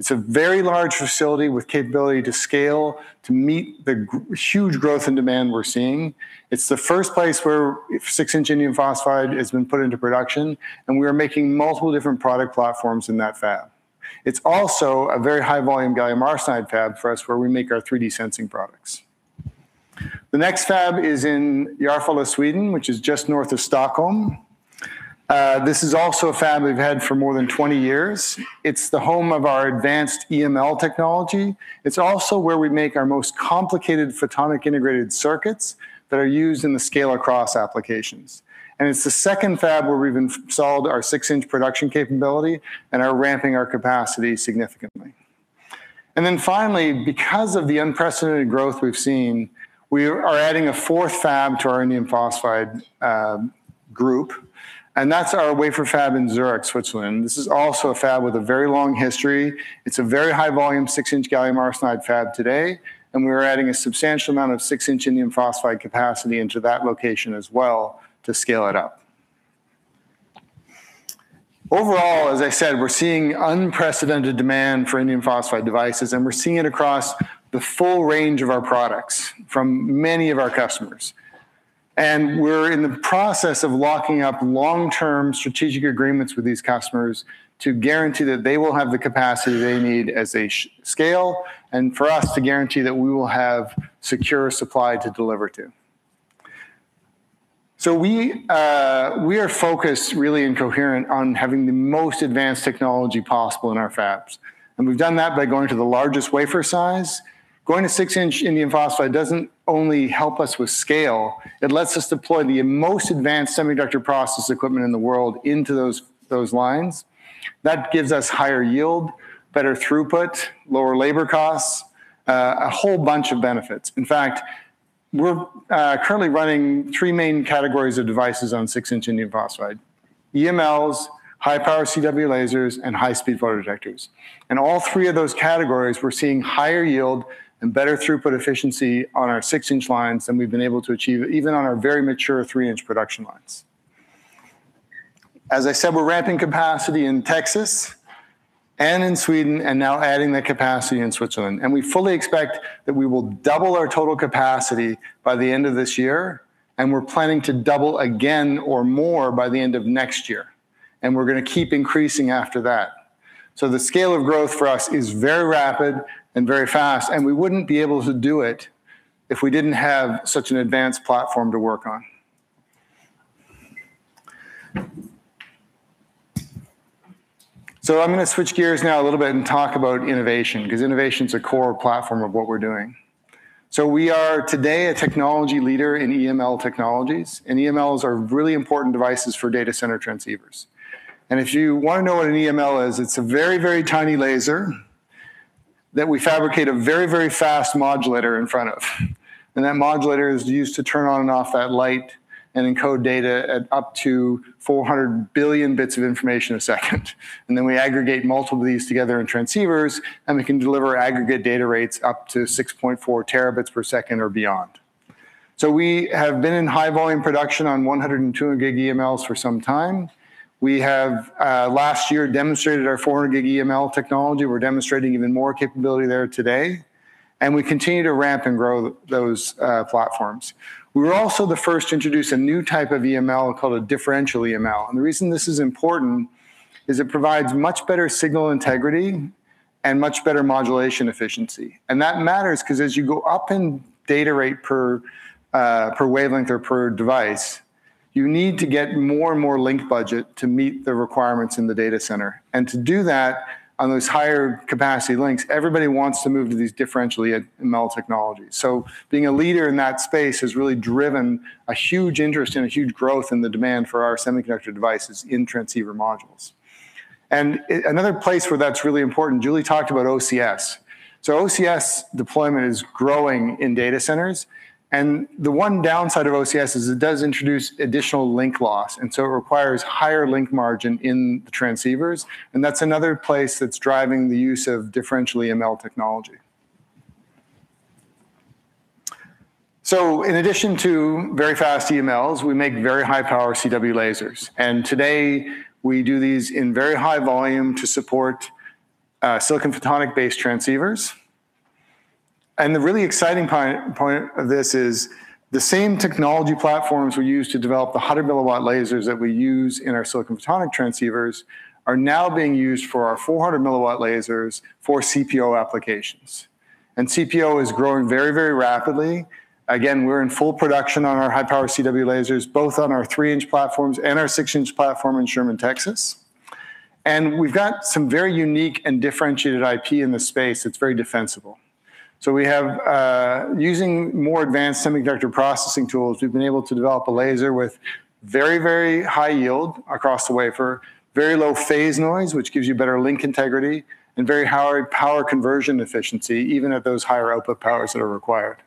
It's a very large facility with capability to scale to meet the huge growth and demand we're seeing. It's the first place where 6-inch indium phosphide has been put into production, and we are making multiple different product platforms in that fab. It's also a very high-volume gallium arsenide fab for us, where we make our 3D sensing products. The next fab is in Järfälla, Sweden, which is just north of Stockholm. This is also a fab we've had for more than 20 years. It's the home of our advanced EML technology. It's also where we make our most complicated photonic integrated circuits that are used in the scale-across applications. It's the second fab where we've installed our six-inch production capability and are ramping our capacity significantly. Finally, because of the unprecedented growth we've seen, we are adding a fourth fab to our indium phosphide group, and that's our wafer fab in Zurich, Switzerland. This is also a fab with a very long history. It's a very high-volume six-inch gallium arsenide fab today, and we're adding a substantial amount of six-inch indium phosphide capacity into that location as well to scale it up. Overall, as I said, we're seeing unprecedented demand for indium phosphide devices, and we're seeing it across the full range of our products from many of our customers. We're in the process of locking up long-term strategic agreements with these customers to guarantee that they will have the capacity they need as they scale, and for us to guarantee that we will have secure supply to deliver to. We are focused really in Coherent on having the most advanced technology possible in our fabs, and we've done that by going to the largest wafer size. Going to 6-inch indium phosphide doesn't only help us with scale, it lets us deploy the most advanced semiconductor process equipment in the world into those lines. That gives us higher yield, better throughput, lower labor costs, a whole bunch of benefits. In fact, we're currently running three main categories of devices on six-inch indium phosphide: EMLs, high-power CW lasers, and high-speed photodetectors. In all three of those categories, we're seeing higher yield and better throughput efficiency on our six-inch lines than we've been able to achieve even on our very mature three-inch production lines. As I said, we're ramping capacity in Texas and in Sweden and now adding the capacity in Switzerland, and we fully expect that we will double our total capacity by the end of this year, and we're planning to double again or more by the end of next year, and we're going to keep increasing after that. The scale of growth for us is very rapid and very fast, and we wouldn't be able to do it if we didn't have such an advanced platform to work on. I'm going to switch gears now a little bit and talk about innovation because innovation is a core platform of what we're doing. We are today a technology leader in EML technologies, and EMLs are really important devices for data center transceivers. If you want to know what an EML is, it's a very, very tiny laser that we fabricate a very, very fast modulator in front of. That modulator is used to turn on and off that light and encode data at up to 400 billion bits of information a second. Then we aggregate multiple of these together in transceivers, and we can deliver aggregate data rates up to 6.4 terabits per second or beyond. We have been in high-volume production on 102 gig EMLs for some time. We have last year demonstrated our 400G EML technology. We're demonstrating even more capability there today, and we continue to ramp and grow those platforms. We were also the first to introduce a new type of EML called a differential EML. The reason this is important is it provides much better signal integrity and much better modulation efficiency. That matters because as you go up in data rate per per wavelength or per device, you need to get more and more link budget to meet the requirements in the data center. To do that on those higher capacity links, everybody wants to move to these differential EML technologies. Being a leader in that space has really driven a huge interest and a huge growth in the demand for our semiconductor devices in transceiver modules. Another place where that's really important, Julie talked about OCS. OCS deployment is growing in data centers. The one downside of OCS is it does introduce additional link loss, and so it requires higher link margin in the transceivers. That's another place that's driving the use of differential EML technology. In addition to very fast EMLs, we make very high-power CW lasers. Today, we do these in very high volume to support silicon photonics-based transceivers. The really exciting payoff of this is the same technology platforms we use to develop the 100-milliwatt lasers that we use in our silicon photonics transceivers are now being used for our 400-milliwatt lasers for CPO applications. CPO is growing very, very rapidly. Again, we're in full production on our high-power CW lasers, both on our 3-inch platforms and our 6-inch platform in Sherman, Texas. We've got some very unique and differentiated IP in this space. It's very defensible. We have, using more advanced semiconductor processing tools, we've been able to develop a laser with very, very high yield across the wafer, very low phase noise, which gives you better link integrity, and very high power conversion efficiency, even at those higher output powers that are required.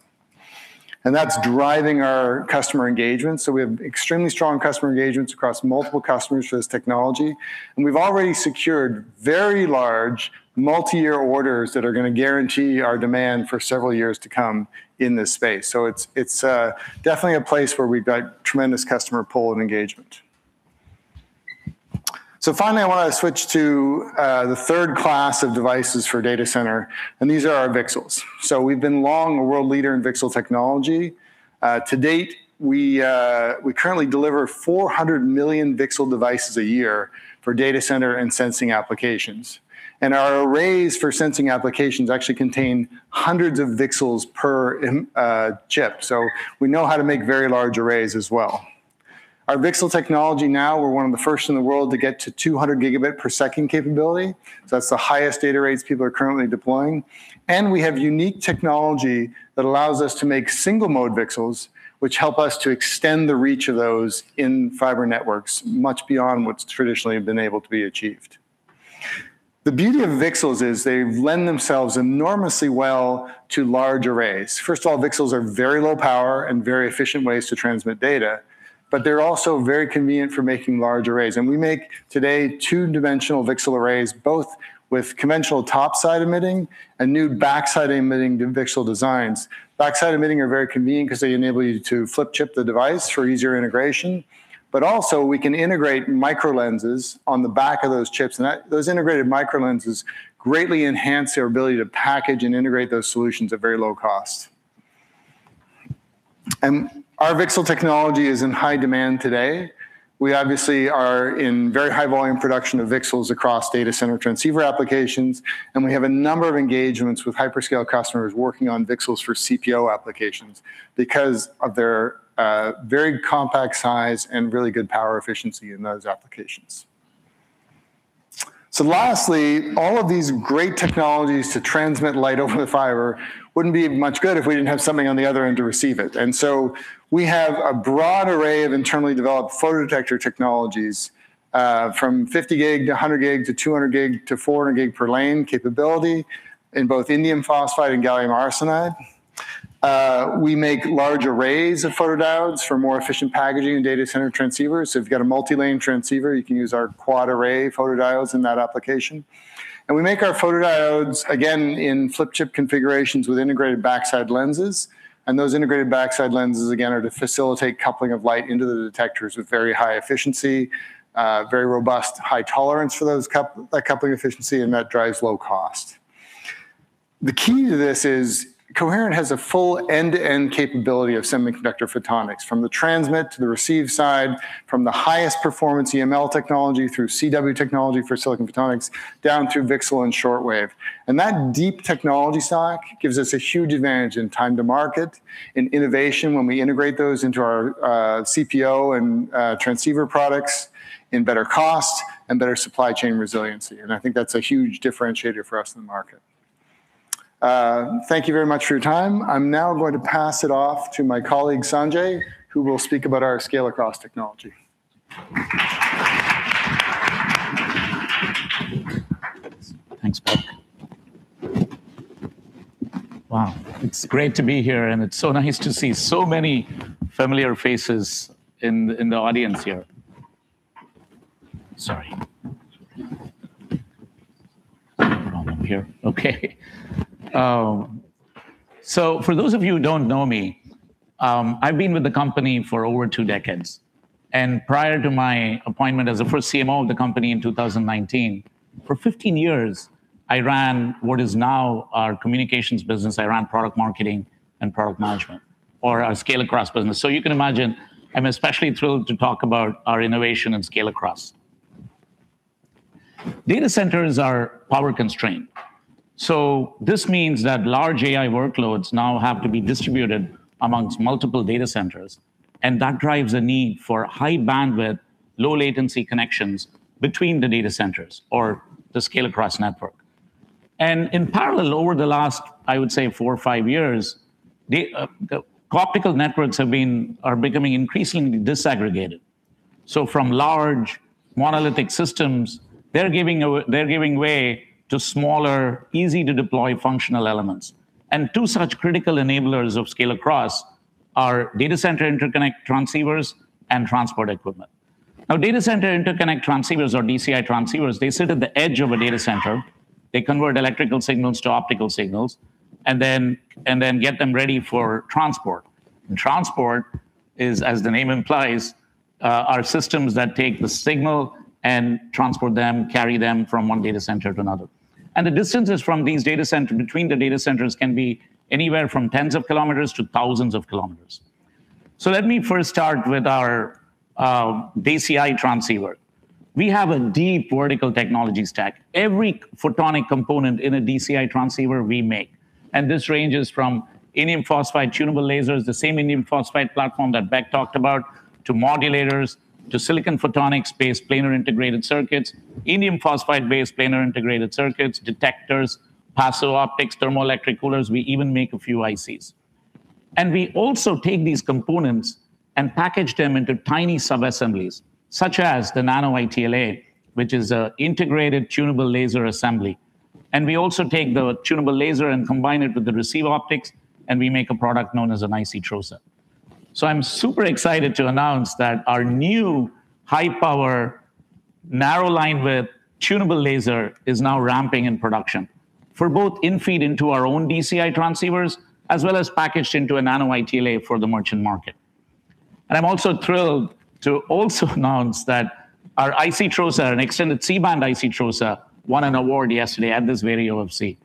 That's driving our customer engagement. We have extremely strong customer engagements across multiple customers for this technology, and we've already secured very large multi-year orders that are gonna guarantee our demand for several years to come in this space. It's definitely a place where we've got tremendous customer pull and engagement. Finally, I wanna switch to the third class of devices for data center, and these are our VCSELs. We've been long a world leader in VCSEL technology. To date, we currently deliver 400 million VCSEL devices a year for data center and sensing applications. Our arrays for sensing applications actually contain hundreds of VCSELs per chip. We know how to make very large arrays as well. Our VCSEL technology now, we're one of the first in the world to get to 200 gigabit per second capability. That's the highest data rates people are currently deploying. We have unique technology that allows us to make single mode VCSELs, which help us to extend the reach of those in fiber networks much beyond what's traditionally been able to be achieved. The beauty of VCSELs is they lend themselves enormously well to large arrays. First of all, VCSELs are very low power and very efficient ways to transmit data, but they're also very convenient for making large arrays. We make today two-dimensional VCSEL arrays, both with conventional top side emitting and new back side emitting VCSEL designs. Back side emitting are very convenient 'cause they enable you to flip chip the device for easier integration. Also we can integrate micro lenses on the back of those chips, and those integrated micro lenses greatly enhance their ability to package and integrate those solutions at very low cost. Our VCSEL technology is in high demand today. We obviously are in very high volume production of VCSELs across data center transceiver applications, and we have a number of engagements with hyperscale customers working on VCSELs for CPO applications because of their very compact size and really good power efficiency in those applications. Lastly, all of these great technologies to transmit light over the fiber wouldn't be much good if we didn't have something on the other end to receive it. We have a broad array of internally developed photodetector technologies from 50 gig to 100 gig to 200 gig to 400 gig per lane capability in both indium phosphide and gallium arsenide. We make large arrays of photodiodes for more efficient packaging in data center transceivers. If you've got a multi-lane transceiver, you can use our quad array photodiodes in that application. We make our photodiodes again in flip-chip configurations with integrated backside lenses. Those integrated backside lenses, again, are to facilitate coupling of light into the detectors with very high efficiency, very robust high tolerance for those coupling efficiency, and that drives low cost. The key to this is Coherent has a full end-to-end capability of semiconductor photonics, from the transmit to the receive side, from the highest performance EML technology through CW technology for silicon photonics down through VCSEL and Shortwave. That deep technology stack gives us a huge advantage in time to market, in innovation when we integrate those into our, CPO and, transceiver products, in better cost and better supply chain resiliency. I think that's a huge differentiator for us in the market. Thank you very much for your time. I'm now going to pass it off to my colleague, Sanjai, who will speak about our scale across technology. Thanks, Bob. Wow. It's great to be here, and it's so nice to see so many familiar faces in the audience here. Sorry. Put it on up here. Okay. For those of you who don't know me, I've been with the company for over two decades, and prior to my appointment as the first CMO of the company in 2019, for 15 years, I ran what is now our communications business. I ran product marketing and product management, or our scale across business. You can imagine, I'm especially thrilled to talk about our innovation and scale across. Data centers are power constrained. This means that large AI workloads now have to be distributed among multiple data centers, and that drives a need for high bandwidth, low latency connections between the data centers or the scale-out network. In parallel, over the last, I would say 4 or 5 years, the optical networks are becoming increasingly disaggregated. From large monolithic systems, they're giving way to smaller, easy to deploy functional elements. Two such critical enablers of scale across are data center interconnect transceivers and transport equipment. Now, data center interconnect transceivers or DCI transceivers, they sit at the edge of a data center. They convert electrical signals to optical signals and then get them ready for transport. Transport is, as the name implies, are systems that take the signal and transport them, carry them from one data center to another. The distances between the data centers can be anywhere from tens of kilometers to thousands of kilometers. Let me first start with our DCI transceiver. We have a deep vertical technology stack. Every photonic component in a DCI transceiver we make. This ranges from indium phosphide tunable lasers, the same indium phosphide platform that Beck talked about to modulators to silicon photonics-based planar integrated circuits, indium phosphide-based planar integrated circuits, detectors, passive optics, thermoelectric coolers. We even make a few ICs. We also take these components and package them into tiny subassemblies, such as the Nano-ITLA, which is a integrated tunable laser assembly. We also take the tunable laser and combine it with the receiver optics, and we make a product known as an IC-TOSA. I'm super excited to announce that our new high-power narrow line width tunable laser is now ramping in production for both in-feed into our own DCI transceivers as well as packaged into a Nano-ITLA for the merchant market. I'm also thrilled to also announce that our IC-TOSA, an extended C-band IC-TOSA, won an award yesterday at this very OFC.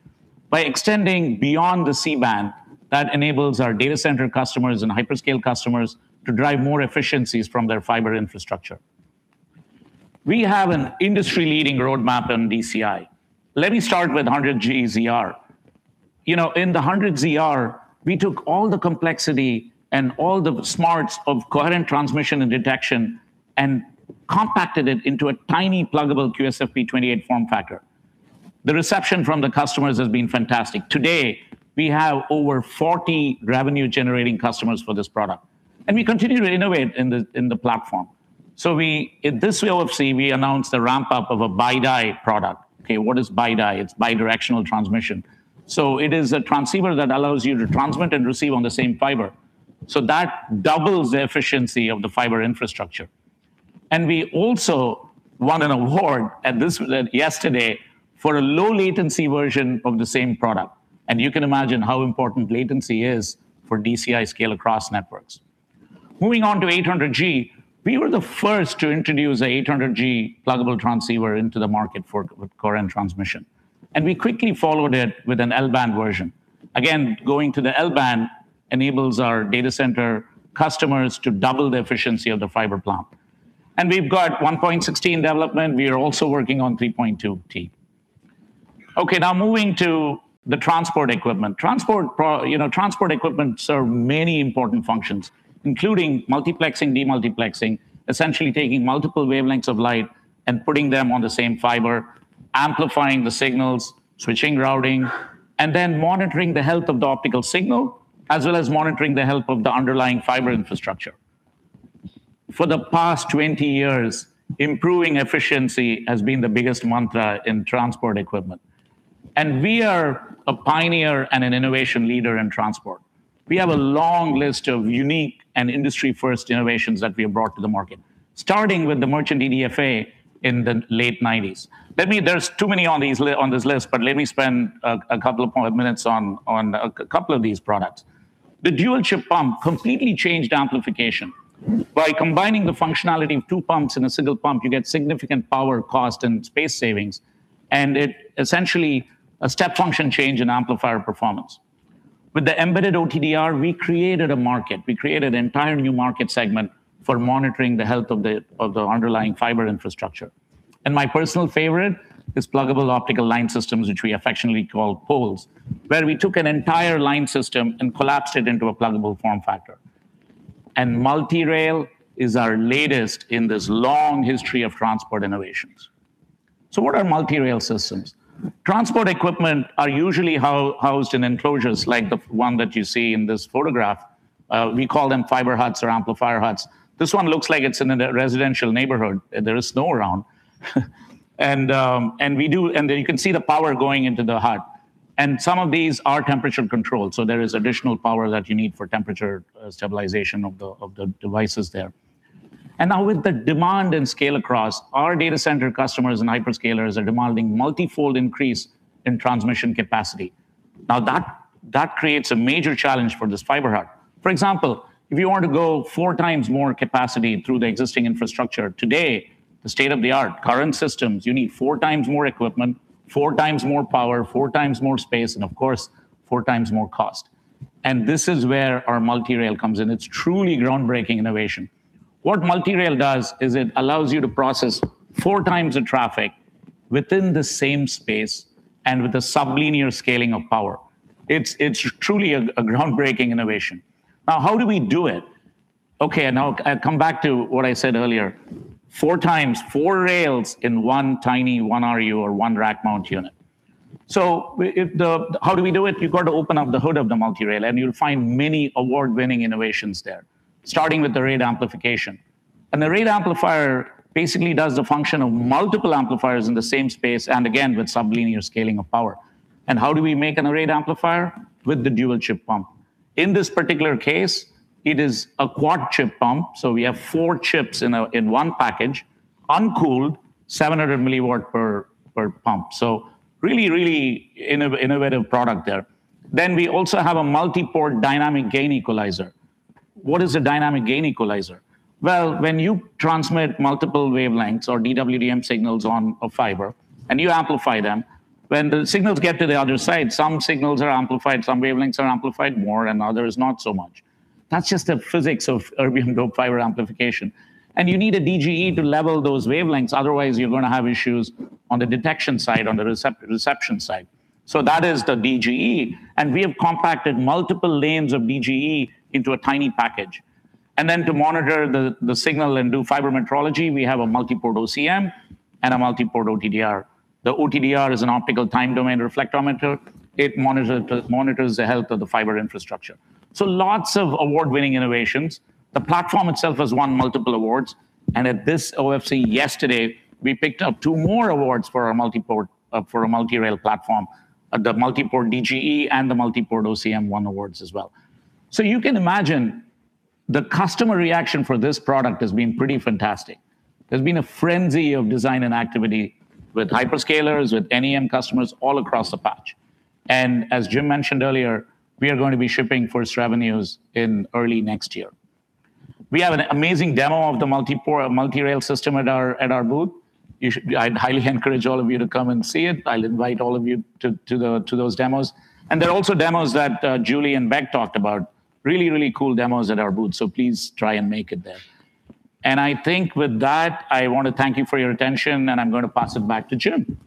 By extending beyond the C-band, that enables our data center customers and hyperscale customers to drive more efficiencies from their fiber infrastructure. We have an industry-leading roadmap in DCI. Let me start with 100G ZR. You know, in the 100 ZR, we took all the complexity and all the smarts of coherent transmission and detection and compacted it into a tiny pluggable QSFP28 form factor. The reception from the customers has been fantastic. Today, we have over 40 revenue-generating customers for this product. We continue to innovate in the platform. We, in this OFC, we announced the ramp-up of a BiDi product. Okay, what is BiDi? It's bidirectional transmission. It is a transceiver that allows you to transmit and receive on the same fiber. That doubles the efficiency of the fiber infrastructure. We also won an award, and this was yesterday, for a low latency version of the same product. You can imagine how important latency is for DCI scale across networks. Moving on to 800G, we were the first to introduce an 800G pluggable transceiver into the market for coherent transmission. We quickly followed it with an L-band version. Again, going to the L-band enables our data center customers to double the efficiency of the fiber plant. We've got 1.6T development. We are also working on 3.2T. Okay, now moving to the transport equipment. Transport equipment serves many important functions, including multiplexing, demultiplexing, essentially taking multiple wavelengths of light and putting them on the same fiber, amplifying the signals, switching routing, and then monitoring the health of the optical signal, as well as monitoring the health of the underlying fiber infrastructure. For the past 20 years, improving efficiency has been the biggest mantra in transport equipment. We are a pioneer and an innovation leader in transport. We have a long list of unique and industry-first innovations that we have brought to the market, starting with the merchant EDFA in the late 1990s. There's too many on this list, but let me spend a couple of minutes on a couple of these products. The dual-chip pump completely changed amplification. By combining the functionality of two pumps in a single pump, you get significant power, cost, and space savings, and it's essentially a step function change in amplifier performance. With the embedded OTDR, we created a market. We created an entirely new market segment for monitoring the health of the underlying fiber infrastructure. My personal favorite is pluggable optical line systems, which we affectionately call POLS, where we took an entire line system and collapsed it into a pluggable form factor. Multi-Rail is our latest in this long history of transport innovations. What are Multi-Rail systems? Transport equipment is usually housed in enclosures like the one that you see in this photograph. We call them fiber huts or amplifier huts. This one looks like it's in a residential neighborhood. There is snow around. You can see the power going into the hut. Some of these are temperature-controlled, so there is additional power that you need for temperature stabilization of the devices there. Now with the demand and scale across, our data center customers and hyperscalers are demanding multifold increase in transmission capacity. Now, that creates a major challenge for this fiber hut. For example, if you want to go four times more capacity through the existing infrastructure today, the state-of-the-art current systems, you need four times more equipment, four times more power, four times more space, and of course, four times more cost. This is where our Multi-Rail comes in. It's truly groundbreaking innovation. What Multi-Rail does is it allows you to process four times the traffic within the same space and with a sublinear scaling of power. It's truly a groundbreaking innovation. Now, how do we do it? Okay, I'll come back to what I said earlier. 4 times 4 rails in one tiny 1 RU or one rack mount unit. How do we do it? You've got to open up the hood of the Multi-Rail, and you'll find many award-winning innovations there, starting with the array amplification. The array amplifier basically does the function of multiple amplifiers in the same space and again, with sublinear scaling of power. How do we make an array amplifier? With the dual-chip pump. In this particular case, it is a quad-chip pump, so we have 4 chips in one package, uncooled, 700 mW per pump. Really innovative product there. Then we also have a multi-port dynamic gain equalizer. What is a dynamic gain equalizer? Well, when you transmit multiple wavelengths or DWDM signals on a fiber and you amplify them, when the signals get to the other side, some signals are amplified, some wavelengths are amplified more, and others not so much. That's just the physics of erbium-doped fiber amplification. You need a DGE to level those wavelengths, otherwise you're gonna have issues on the detection side, on the reception side. That is the DGE, and we have compacted multiple lanes of DGE into a tiny package. Then to monitor the signal and do fiber metrology, we have a multi-port OCM and a multi-port OTDR. The OTDR is an optical time-domain reflectometer. It monitors the health of the fiber infrastructure. Lots of award-winning innovations. The platform itself has won multiple awards, and at this OFC yesterday, we picked up two more awards for our Multi-Rail platform. The multi-port DGE and the multi-port OCM won awards as well. You can imagine the customer reaction for this product has been pretty fantastic. There's been a frenzy of design and activity with hyperscalers, with NEM customers all across the board. As Jim mentioned earlier, we are going to be shipping first revenues in early next year. We have an amazing demo of the Multi-Rail system at our booth. I'd highly encourage all of you to come and see it. I'll invite all of you to those demos. There are also demos that Julie and Beck talked about. Really, really cool demos at our booth, so please try and make it there. I think with that, I want to thank you for your attention, and I'm going to pass it back to Jim.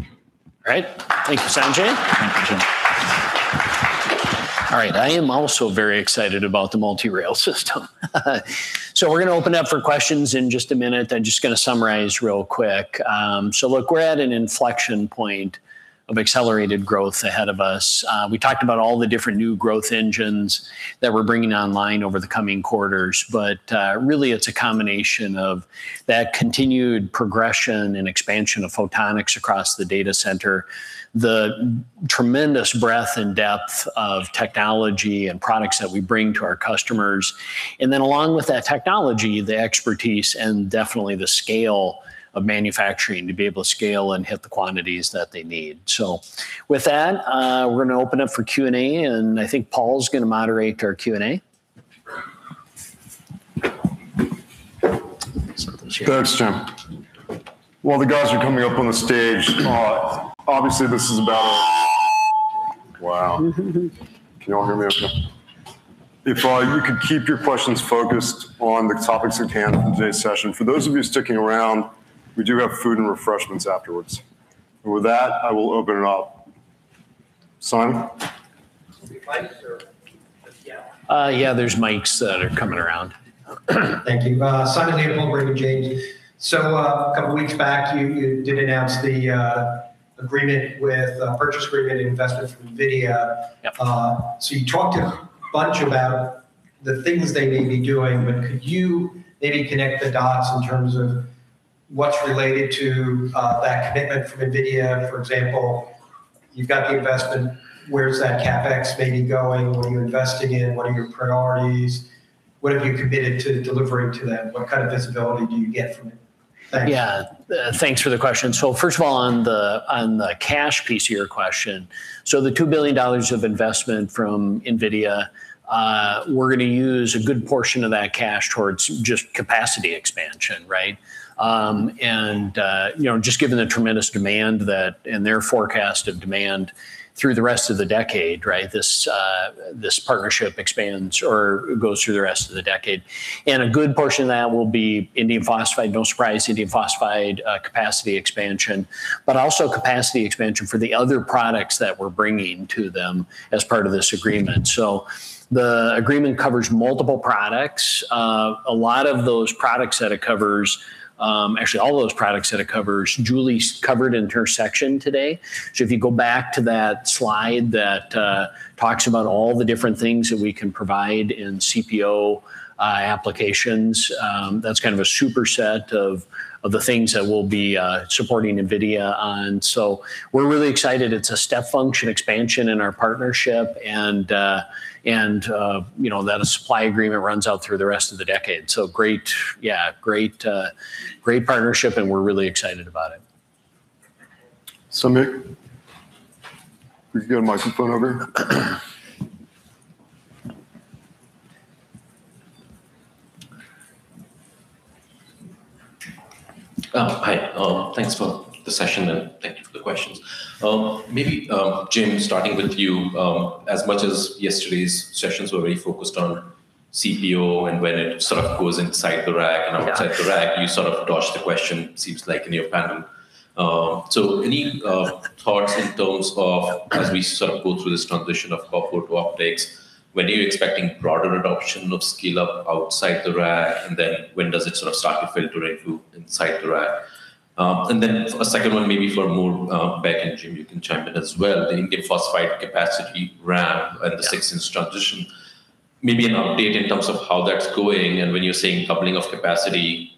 All right. Thank you, Sanjai. Thank you, Jim. All right, I am also very excited about the Multi-Rail system. We're gonna open up for questions in just a minute. I'm just gonna summarize real quick. Look, we're at an inflection point of accelerated growth ahead of us. We talked about all the different new growth engines that we're bringing online over the coming quarters. Really it's a combination of that continued progression and expansion of photonics across the data center, the tremendous breadth and depth of technology and products that we bring to our customers, and then along with that technology, the expertise, and definitely the scale of manufacturing to be able to scale and hit the quantities that they need. With that, we're gonna open up for Q&A, and I think Paul's gonna moderate our Q&A. Thanks, Jim. While the guys are coming up on the stage, obviously this is about. Wow. Can you all hear me okay? If you could keep your questions focused on the topics at hand for today's session. For those of you sticking around, we do have food and refreshments afterwards. With that, I will open it up. Simon. Is there mics? Or yeah. Yeah, there's mics that are coming around. Thank you. Simon Leopold, Bloomberg, James. A couple weeks back, you did announce the agreement with purchase agreement investment from NVIDIA. Yep. You talked a bunch about the things they may be doing, but could you maybe connect the dots in terms of what's related to that commitment from NVIDIA? For example, you've got the investment. Where's that CapEx maybe going? What are you investing in? What are your priorities? What have you committed to delivering to them? What kind of visibility do you get from it? Thanks. Yeah. Thanks for the question. First of all, on the cash piece of your question, the $2 billion of investment from NVIDIA, we're gonna use a good portion of that cash towards just capacity expansion, right? You know, just given the tremendous demand and their forecast of demand through the rest of the decade, right? This partnership expands or goes through the rest of the decade. A good portion of that will be indium phosphide, no surprise, capacity expansion, but also capacity expansion for the other products that we're bringing to them as part of this agreement. The agreement covers multiple products. A lot of those products that it covers, actually all those products that it covers, Julie covered in her section today. If you go back to that slide that talks about all the different things that we can provide in CPO applications, that's kind of a superset of the things that we'll be supporting NVIDIA on. We're really excited. It's a step function expansion in our partnership and you know, that supply agreement runs out through the rest of the decade. Great, yeah, great partnership, and we're really excited about it. Samik. We can get a microphone over. Oh, hi. Thanks for the session, and thank you for the questions. Maybe, Jim, starting with you, as much as yesterday's sessions were very focused on CPO and when it sort of goes inside the rack and outside the rack. Yeah. You sort of dodged the question, it seems like, in your panel. Any thoughts in terms of as we sort of go through this transition of Coherent to optics, when are you expecting broader adoption of scale-up outside the rack? Then when does it sort of start to filter into inside the rack? A second one maybe for Jim or Beck and Jim, you can chime in as well. The indium phosphide capacity ramp and the 6-inch transition. Maybe an update in terms of how that's going and when you're seeing doubling of capacity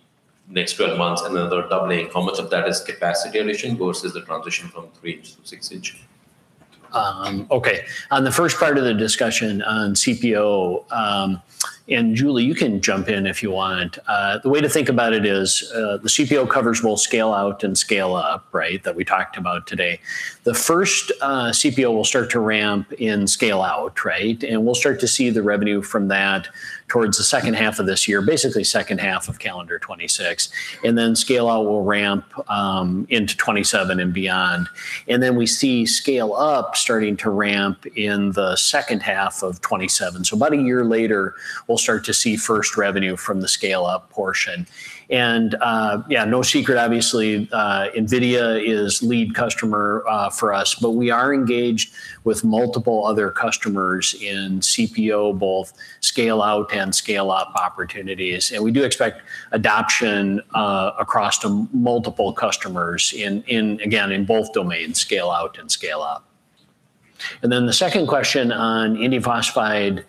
next 12 months, another doubling. How much of that is capacity addition versus the transition from 3-inch to 6-inch? Okay. On the first part of the discussion on CPO, and Julie, you can jump in if you want. The way to think about it is, the CPO coverage will scale out and scale up, right? That we talked about today. The first CPO will start to ramp in scale out, right? We'll start to see the revenue from that towards the second half of this year, basically second half of calendar 2026, and then scale out will ramp into 2027 and beyond. We see scale up starting to ramp in the second half of 2027. About a year later, we'll start to see first revenue from the scale-up portion. Yeah, no secret obviously, NVIDIA is lead customer for us, but we are engaged with multiple other customers in CPO, both scale out and scale up opportunities. We do expect adoption across the multiple customers in both domains, scale out and scale up. Then the second question on indium phosphide,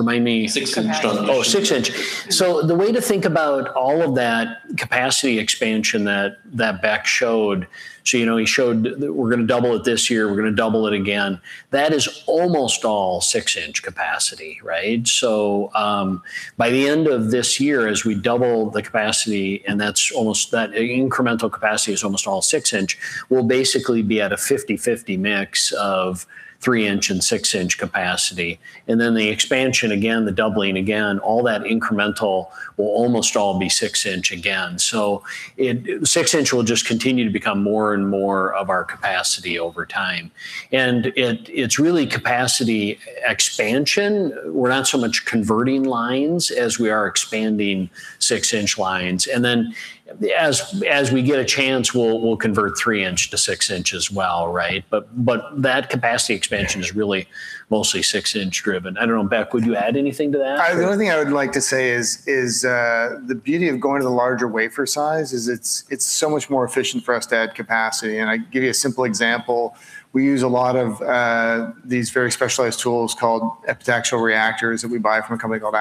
remind me. Six-inch. Oh, six-inch. The way to think about all of that capacity expansion that Beck showed. You know, he showed we're gonna double it this year, we're gonna double it again. That is almost all six-inch capacity, right? By the end of this year, as we double the capacity, and that incremental capacity is almost all six-inch, we'll basically be at a 50/50 mix of three-inch and six-inch capacity. The expansion again, the doubling again, all that incremental will almost all be six-inch again. Six-inch will just continue to become more and more of our capacity over time. It's really capacity expansion. We're not so much converting lines as we are expanding six-inch lines. As we get a chance, we'll convert three-inch to six-inch as well, right? that capacity expansion is really mostly six-inch driven. I don't know. Beck, would you add anything to that? The only thing I would like to say is, the beauty of going to the larger wafer size is it's so much more efficient for us to add capacity, and I can give you a simple example. We use a lot of these very specialized tools called epitaxial reactors that we buy from a company called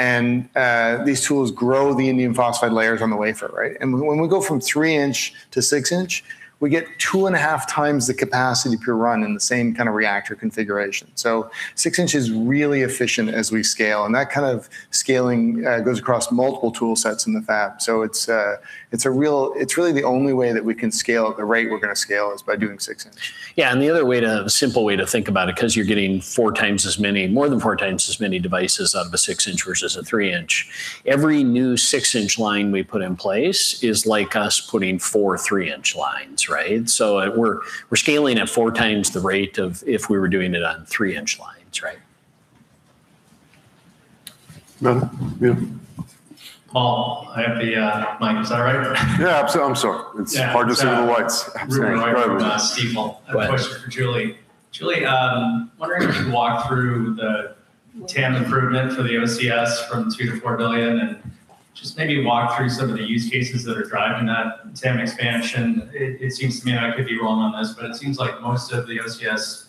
AIXTRON. These tools grow the indium phosphide layers on the wafer, right? When we go from three-inch to six-inch, we get 2.5 times the capacity per run in the same kind of reactor configuration. Six-inch is really efficient as we scale, and that kind of scaling goes across multiple tool sets in the fab. It's really the only way that we can scale at the rate we're going to scale is by doing six-inch. Yeah. The simple way to think about it, 'cause you're getting more than 4 times as many devices out of a 6-inch versus a 3-inch. Every new 6-inch line we put in place is like us putting four 3-inch lines, right? We're scaling at 4 times the rate as if we were doing it on 3-inch lines, right? Nothing? Yeah. Paul, I have the mic. Is that all right? Yeah, absolutely. I'm sorry. It's hard to see with the lights. From Steve Paul. I have a question for Julie. Julie, wondering if you could walk through the TAM improvement for the OCS from $2 billion-$4 billion, and just maybe walk through some of the use cases that are driving that TAM expansion. It seems to me, I could be wrong on this, but it seems like most of the OCS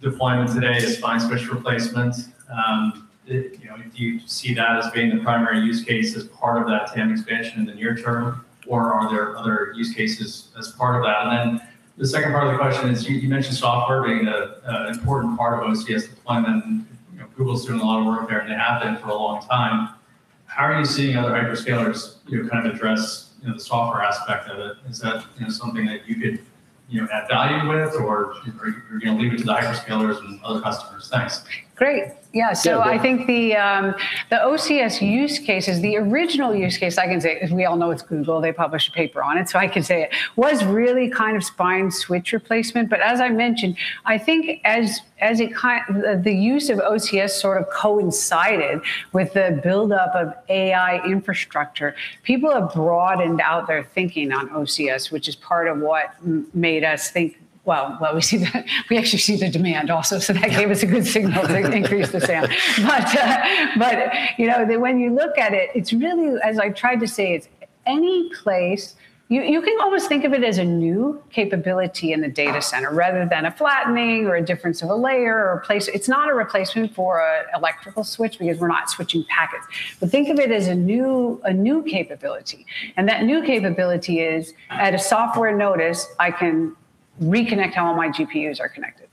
deployment today is spine switch replacement. You know, do you see that as being the primary use case as part of that TAM expansion in the near term, or are there other use cases as part of that? The second part of the question is, you mentioned software being an important part of OCS deployment. Google's doing a lot of work there and have been for a long time. How are you seeing other hyperscalers, you know, kind of address, you know, the software aspect of it? Is that, you know, something that you could, you know, add value with or are you gonna leave it to the hyperscalers and other customers? Thanks. I think the OCS use case is the original use case. I can say, as we all know, it's Google. They published a paper on it, so I can say it. It was really kind of spine switch replacement. As I mentioned, I think the use of OCS sort of coincided with the buildup of AI infrastructure. People have broadened out their thinking on OCS, which is part of what made us think, well, we actually see the demand also. That gave us a good signal to increase the scale. You know, when you look at it's really, as I've tried to say, it's any place. You can almost think of it as a new capability in the data center rather than a flattening or a difference of a layer or a place. It's not a replacement for an electrical switch because we're not switching packets. Think of it as a new capability. That new capability is at a software notice, I can reconnect how all my GPUs are connected.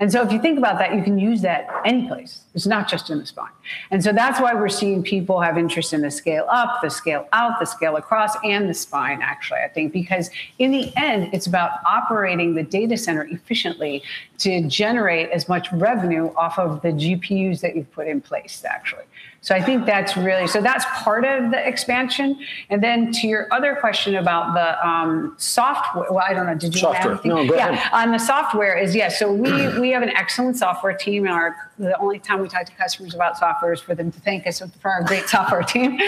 If you think about that, you can use that any place. It's not just in the spine. That's why we're seeing people have interest in the scale up, the scale out, the scale across, and the spine, actually, I think. Because in the end, it's about operating the data center efficiently to generate as much revenue off of the GPUs that you've put in place, actually. I think that's part of the expansion. To your other question about the, well, I don't know. Did you Software. No, go ahead. Yeah. On the software, yes. We have an excellent software team, and the only time we talk to customers about software is for them to thank us for our great software team.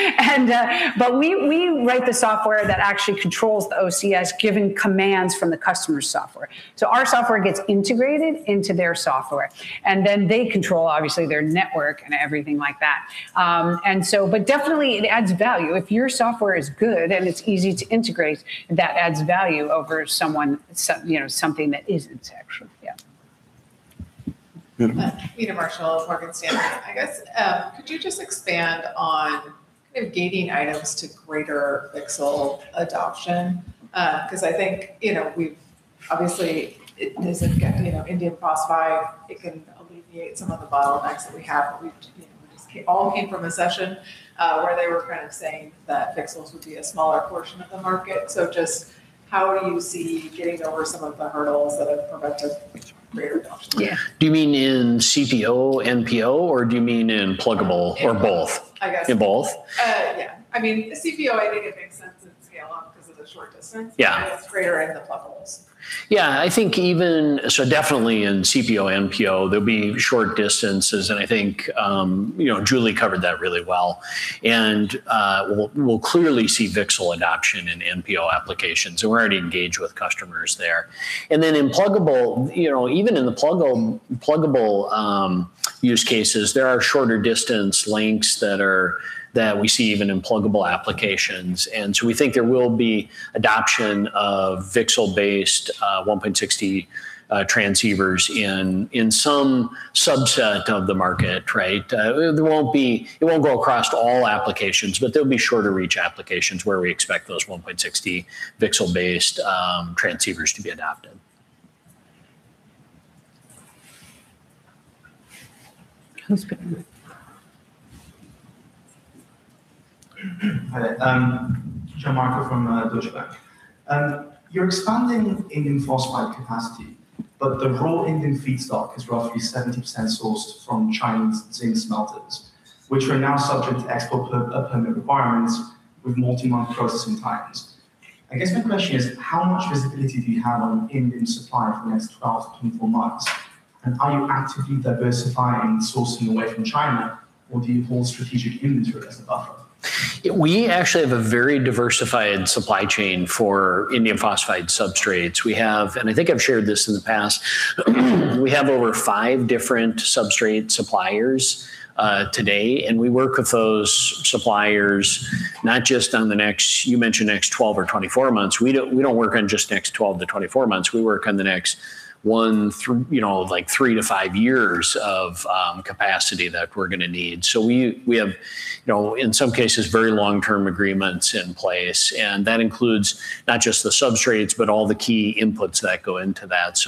But we write the software that actually controls the OCS given commands from the customer's software. Our software gets integrated into their software, and then they control obviously their network and everything like that. It definitely adds value. If your software is good and it's easy to integrate, that adds value over someone, you know, something that isn't actually. Yeah. Nina. I guess, could you just expand on kind of gating items to greater VCSEL adoption? 'Cause I think, you know, indium phosphide it can alleviate some of the bottlenecks that we have. It all came from a session where they were kind of saying that VCSELs would be a smaller portion of the market. Just how do you see getting over some of the hurdles that have prevented greater adoption? Yeah. Do you mean in CPO, NPO, or do you mean in pluggable or both? I guess both. In both? Yeah. I mean, the CPO, I think it makes sense at scale up because of the short distance. Yeah. It's greater in the pluggables. I think definitely in CPO, NPO, there'll be short distances, and I think, you know, Julie covered that really well. We'll clearly see VCSEL adoption in NPO applications, and we're already engaged with customers there. In pluggable, you know, even in the pluggable use cases, there are shorter distance links that we see even in pluggable applications. We think there will be adoption of VCSEL-based 1.6T transceivers in some subset of the market, right? It won't go across all applications, but there'll be shorter reach applications where we expect those 1.6T VCSEL-based transceivers to be adopted. That's good. Hi. Matthew Niknam from Deutsche Bank. You're expanding indium phosphide capacity, but the raw indium feedstock is roughly 70% sourced from Chinese zinc smelters, which are now subject to export permit requirements with multi-month processing times. I guess my question is, how much visibility do you have on indium supply for the next 12-24 months? And are you actively diversifying sourcing away from China or do you hold strategic inventory as a buffer? We actually have a very diversified supply chain for indium phosphide substrates. We have, and I think I've shared this in the past, we have over five different substrate suppliers today, and we work with those suppliers not just on the next, you mentioned next 12 or 24 months. We don't work on just next 12-24 months. We work on the next one through, you know, like 3-5 years of capacity that we're gonna need. We have, you know, in some cases, very long-term agreements in place, and that includes not just the substrates, but all the key inputs that go into that.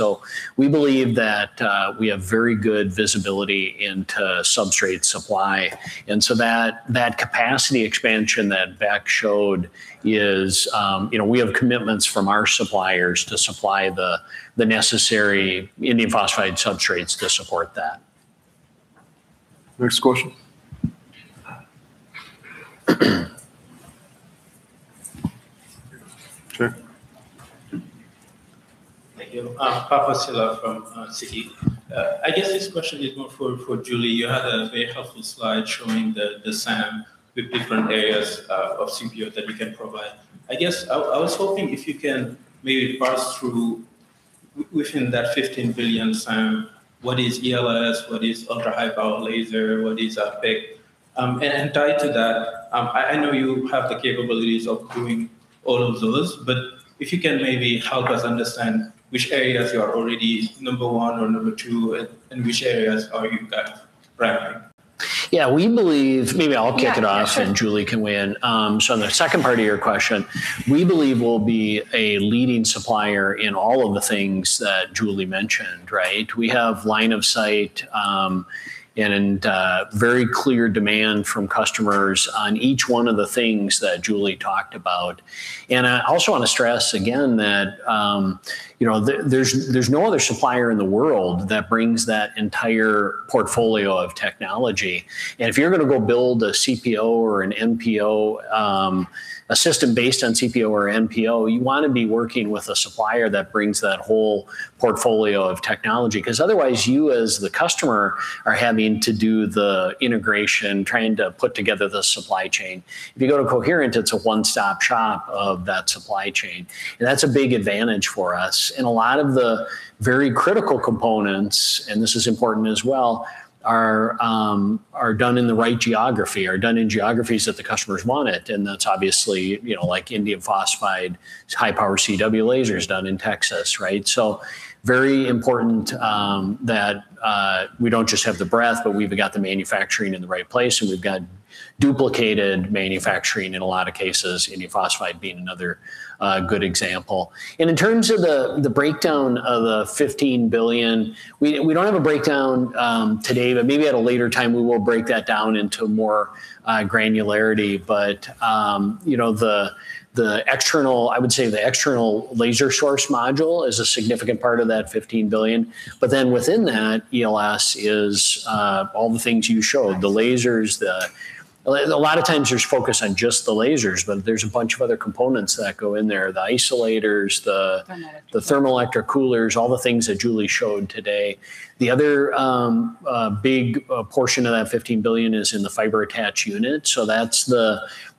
We believe that we have very good visibility into substrate supply, and that capacity expansion that Beck showed is, you know, we have commitments from our suppliers to supply the necessary indium phosphide substrates to support that. Next question. Sure. Thank you. I'm Papa Sylla from Citigroup. I guess this question is more for Julie. You had a very helpful slide showing the SAM with different areas of CPO that you can provide. I guess I was hoping if you can maybe parse through within that $15 billion SAM, what is ELS, what is ultra-high power laser, what is effect? And tied to that, I know you have the capabilities of doing all of those, but if you can maybe help us understand which areas you are already number one or number two, and in which areas are you guys ranking. Yeah, we believe. Maybe I'll kick it off and Julie can weigh in. So on the second part of your question, we believe we'll be a leading supplier in all of the things that Julie mentioned, right? We have line of sight and very clear demand from customers on each one of the things that Julie talked about. I also wanna stress again that, you know, there's no other supplier in the world that brings that entire portfolio of technology. If you're gonna go build a CPO or an NPO, a system based on CPO or NPO, you wanna be working with a supplier that brings that whole portfolio of technology 'cause otherwise you as the customer are having to do the integration, trying to put together the supply chain. If you go to Coherent, it's a one-stop shop of that supply chain, and that's a big advantage for us. A lot of the very critical components, and this is important as well, are done in the right geography, are done in geographies that the customers want it, and that's obviously, you know, like indium phosphide, high power CW lasers done in Texas, right? Very important that we don't just have the breadth, but we've got the manufacturing in the right place, and we've got duplicated manufacturing in a lot of cases, indium phosphide being another good example. In terms of the breakdown of the $15 billion, we don't have a breakdown today, but maybe at a later time we will break that down into more granularity. I would say the external laser source module is a significant part of that $15 billion. Within that ELS is all the things you showed, the lasers. A lot of times there's focus on just the lasers, but there's a bunch of other components that go in there, the isolators. Thermoelectric coolers. The thermoelectric coolers, all the things that Julie showed today. The other big portion of that $15 billion is in the fiber attach unit.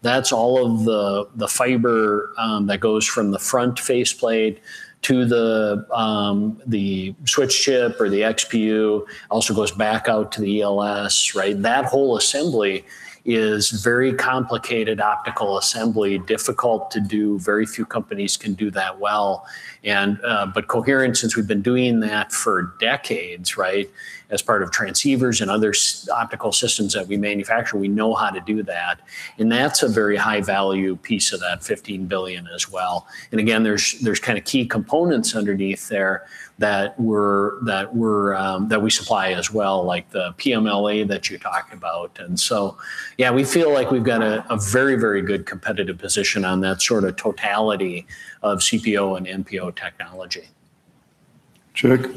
That's all of the fiber that goes from the front faceplate to the switch chip or the XPU, also goes back out to the ELS, right? That whole assembly is very complicated optical assembly, difficult to do. Very few companies can do that well. Coherent, since we've been doing that for decades, right, as part of transceivers and other optical systems that we manufacture, we know how to do that. That's a very high value piece of that $15 billion as well. Again, there's kind of key components underneath there that we supply as well, like the PMLA that you talked about. Yeah, we feel like we've got a very very good competitive position on that sort of totality of CPO and MPO technology. Jack. Hey,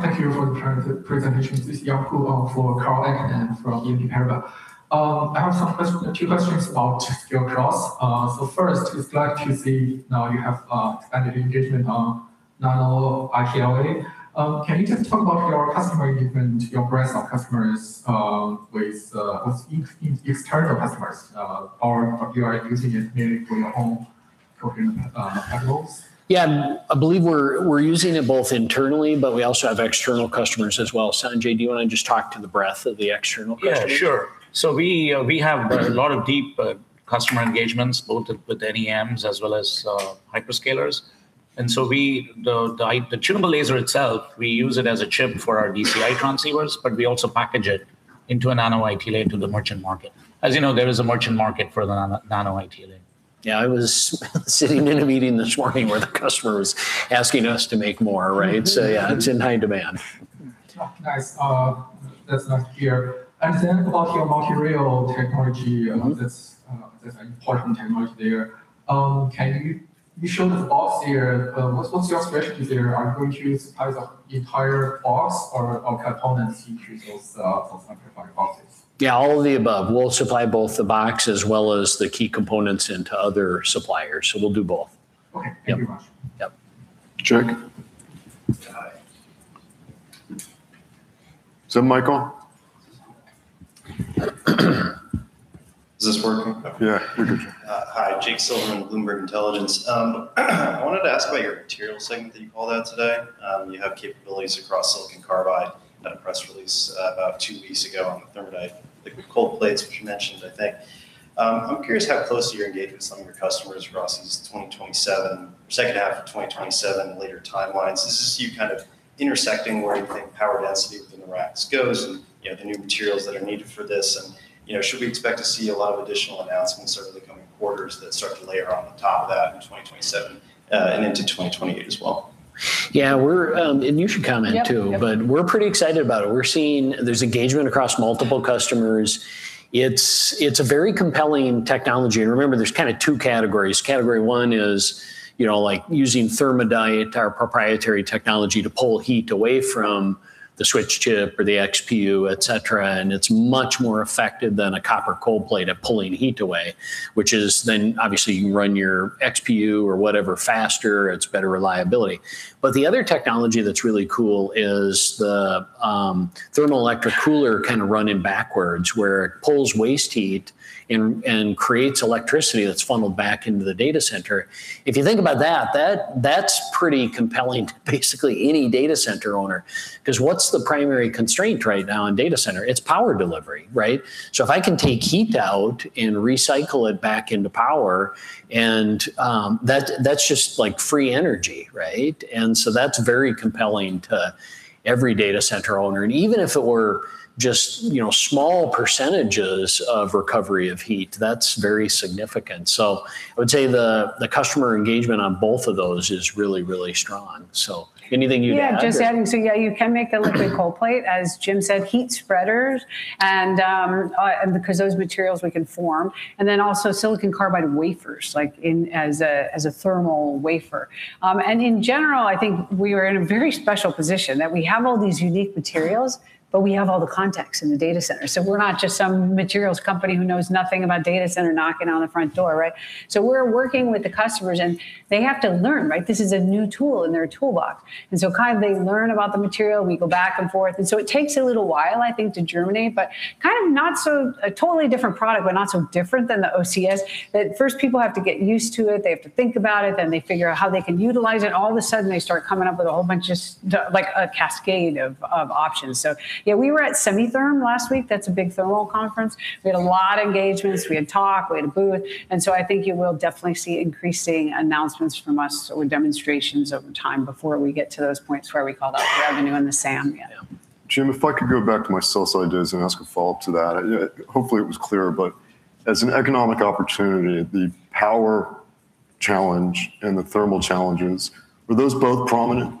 thank you for the presentation. This is Karl Ackerman from BNP Paribas. I have two questions about your costs. First, I'm glad to see now you have expanded engagement on Nano-ITLA. Can you just talk about your customer engagement, your breadth of customers, with external customers, or you are using it mainly for your own program, internal? Yeah. I believe we're using it both internally, but we also have external customers as well. Sanjai, do you want to just talk to the breadth of the external customers? Yeah, sure. We have a lot of deep customer engagements, both with NEMs as well as hyperscalers. The tunable laser itself, we use it as a chip for our DCI transceivers, but we also package it into a Nano-ITLA into the merchant market. As you know, there is a merchant market for the Nano-ITLA. Yeah, I was sitting in a meeting this morning where the customer was asking us to make more, right? Yeah, it's in high demand. Nice. That's nice to hear. About your material technology, that's an important technology there. You showed the box there. What's your strategy there? Are you going to supply the entire box or components into those boxes? Yeah, all of the above. We'll supply both the box as well as the key components into other suppliers. We'll do both. Okay. Thank you very much. Yep. Jack. Is that mic on? Is this working? Yeah. Hi. Jake Silverman, Bloomberg Intelligence. I wanted to ask about your material segment that you called out today. You have capabilities across silicon carbide in a press release about two weeks ago on the ThermaDite liquid cold plates, which you mentioned, I think. I'm curious how close to your engagement some of your customers across these 2027 second half of 2027 later timelines. Is this you kind of intersecting where you think power density within the racks goes and, you know, the new materials that are needed for this and, you know, should we expect to see a lot of additional announcements over the coming quarters that start to layer on top of that in 2027, and into 2028 as well? Yeah. You should comment too. Yep. Yep. We're pretty excited about it. We're seeing there's engagement across multiple customers. It's a very compelling technology. Remember, there's kind of two categories. Category one is, you know, like using ThermaDite, our proprietary technology, to pull heat away from the switch chip or the XPU, et cetera, and it's much more effective than a copper cold plate at pulling heat away. Which is then obviously you can run your XPU or whatever faster, it's better reliability. The other technology that's really cool is the thermoelectric cooler kind of running backwards, where it pulls waste heat and creates electricity that's funneled back into the data center. If you think about that's pretty compelling to basically any data center owner, 'cause what's the primary constraint right now in data center? It's power delivery, right? If I can take heat out and recycle it back into power and that's just like free energy, right? That's very compelling to every data center owner. Even if it were just, you know, small percentages of recovery of heat, that's very significant. I would say the customer engagement on both of those is really, really strong. Anything you'd add, Julie Eng? Yeah. Just adding. Yeah, you can make a liquid cold plate, as Jim said, heat spreaders and because those materials we can form, and then also silicon carbide wafers, as a thermal wafer. In general, I think we are in a very special position that we have all these unique materials, but we have all the context in the data center. We're not just some materials company who knows nothing about data center knocking on the front door, right? We're working with the customers, and they have to learn, right? This is a new tool in their toolbox. Kind of they learn about the material, we go back and forth, and so it takes a little while, I think, to germinate, but kind of not so a totally different product, but not so different than the OCS, that first people have to get used to it, they have to think about it, then they figure out how they can utilize it. All of a sudden, they start coming up with a whole bunch of like a cascade of options. Yeah, we were at SEMI-THERM last week. That's a big thermal conference. We had a lot of engagements. We had a talk, we had a booth. I think you will definitely see increasing announcements from us or demonstrations over time before we get to those points where we call that the revenue and the SAM yet. Yeah. Jim, if I could go back to my sales ideas and ask a follow-up to that. Hopefully, it was clear, but as an economic opportunity, the power challenge and the thermal challenges, were those both prominent?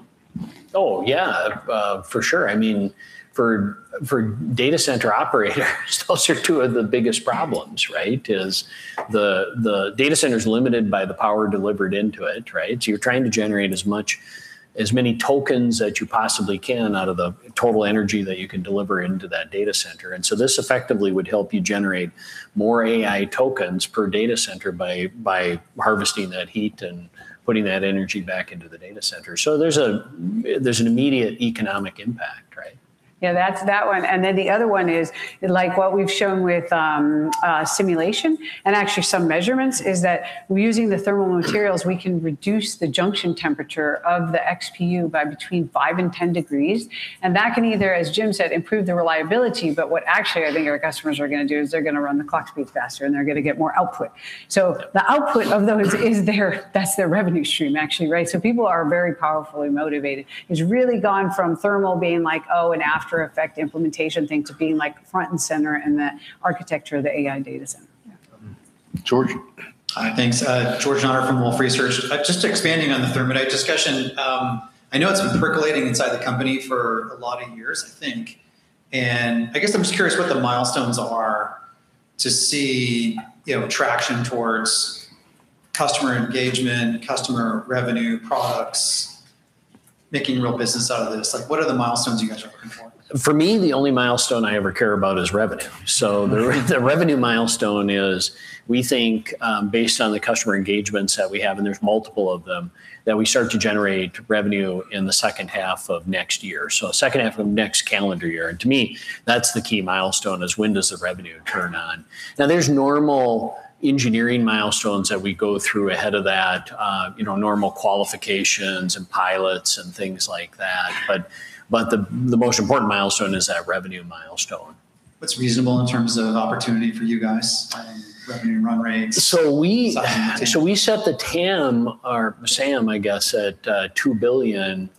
Oh, yeah. For sure. I mean, for data center operators, those are two of the biggest problems, right? The data center is limited by the power delivered into it, right? You're trying to generate as many tokens as you possibly can out of the total energy that you can deliver into that data center. This effectively would help you generate more AI tokens per data center by harvesting that heat and putting that energy back into the data center. There's an immediate economic impact, right? Yeah, that's that one. The other one is, like what we've shown with simulation and actually some measurements, is that using the thermal materials, we can reduce the junction temperature of the XPU by between 5 and 10 degrees. That can either, as Jim said, improve the reliability, but what actually I think our customers are gonna do is they're gonna run the clock speeds faster, and they're gonna get more output. The output of those is their, that's their revenue stream, actually, right? People are very powerfully motivated. It's really gone from thermal being like, oh, an after effect implementation thing to being like front and center in the architecture of the AI data center. George Hi. Thanks. George Notter from Wolfe Research. Just expanding on the ThermaDite discussion. I know it's been percolating inside the company for a lot of years, I think, and I guess I'm just curious what the milestones are to see, you know, traction towards customer engagement, customer revenue, products, making real business out of this. Like, what are the milestones you guys are looking for? For me, the only milestone I ever care about is revenue. The revenue milestone is we think, based on the customer engagements that we have, and there's multiple of them, that we start to generate revenue in the second half of next year, so second half of next calendar year. To me, that's the key milestone is when does the revenue turn on? Now, there's normal engineering milestones that we go through ahead of that, you know, normal qualifications and pilots and things like that. The most important milestone is that revenue milestone. What's reasonable in terms of opportunity for you guys? I mean, revenue run rates. So we- -size. We set the TAM or SAM, I guess, at $2 billion.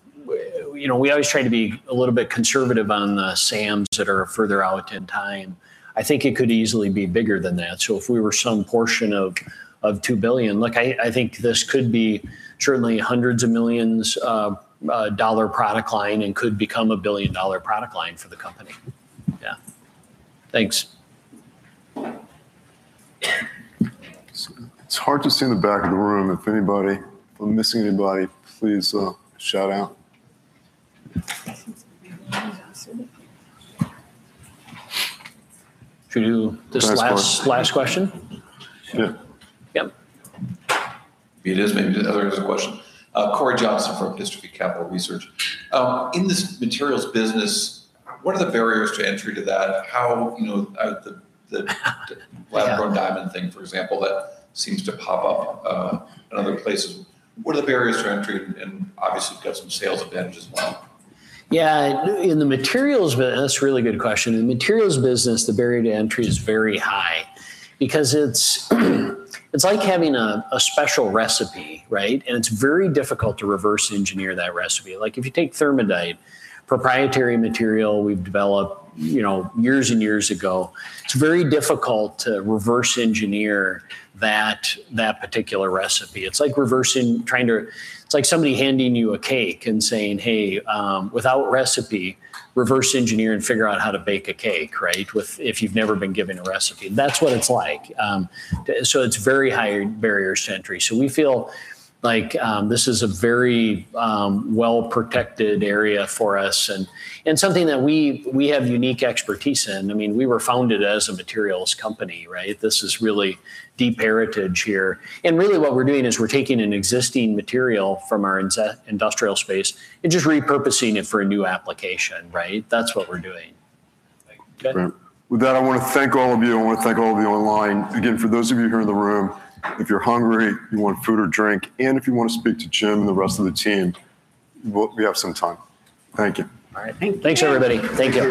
You know, we always try to be a little bit conservative on the SAMs that are further out in time. I think it could easily be bigger than that. If we were some portion of $2 billion, look, I think this could be certainly hundreds of millions dollar product line and could become a billion-dollar product line for the company. Yeah. Thanks. It's hard to see in the back of the room. If I'm missing anybody, please, shout out. Should we do this last? Last part Last question? Yeah. Yep. It is maybe the other's question. Corey Johnson from Distribute Capital Research. In this materials business, what are the barriers to entry to that? How, you know, Yeah Lab-grown diamond thing, for example, that seems to pop up in other places. What are the barriers to entry? Obviously you've got some sales advantage as well. Yeah. That's a really good question. In the materials business, the barrier to entry is very high because it's like having a special recipe, right? It's very difficult to reverse engineer that recipe. Like, if you take ThermaDite, proprietary material we've developed, you know, years and years ago, it's very difficult to reverse engineer that particular recipe. It's like somebody handing you a cake and saying, "Hey, without recipe, reverse engineer and figure out how to bake a cake," right? If you've never been given a recipe. That's what it's like. It's very high barrier to entry. We feel like this is a very well-protected area for us and something that we have unique expertise in. I mean, we were founded as a materials company, right? This is really deep heritage here. Really what we're doing is we're taking an existing material from our industrial space and just repurposing it for a new application, right? That's what we're doing. Thank you. Good. Great. With that, I wanna thank all of you. I wanna thank all of you online. Again, for those of you here in the room, if you're hungry, you want food or drink, and if you wanna speak to Jim and the rest of the team, we have some time. Thank you. All right. Thanks everybody. Thank you.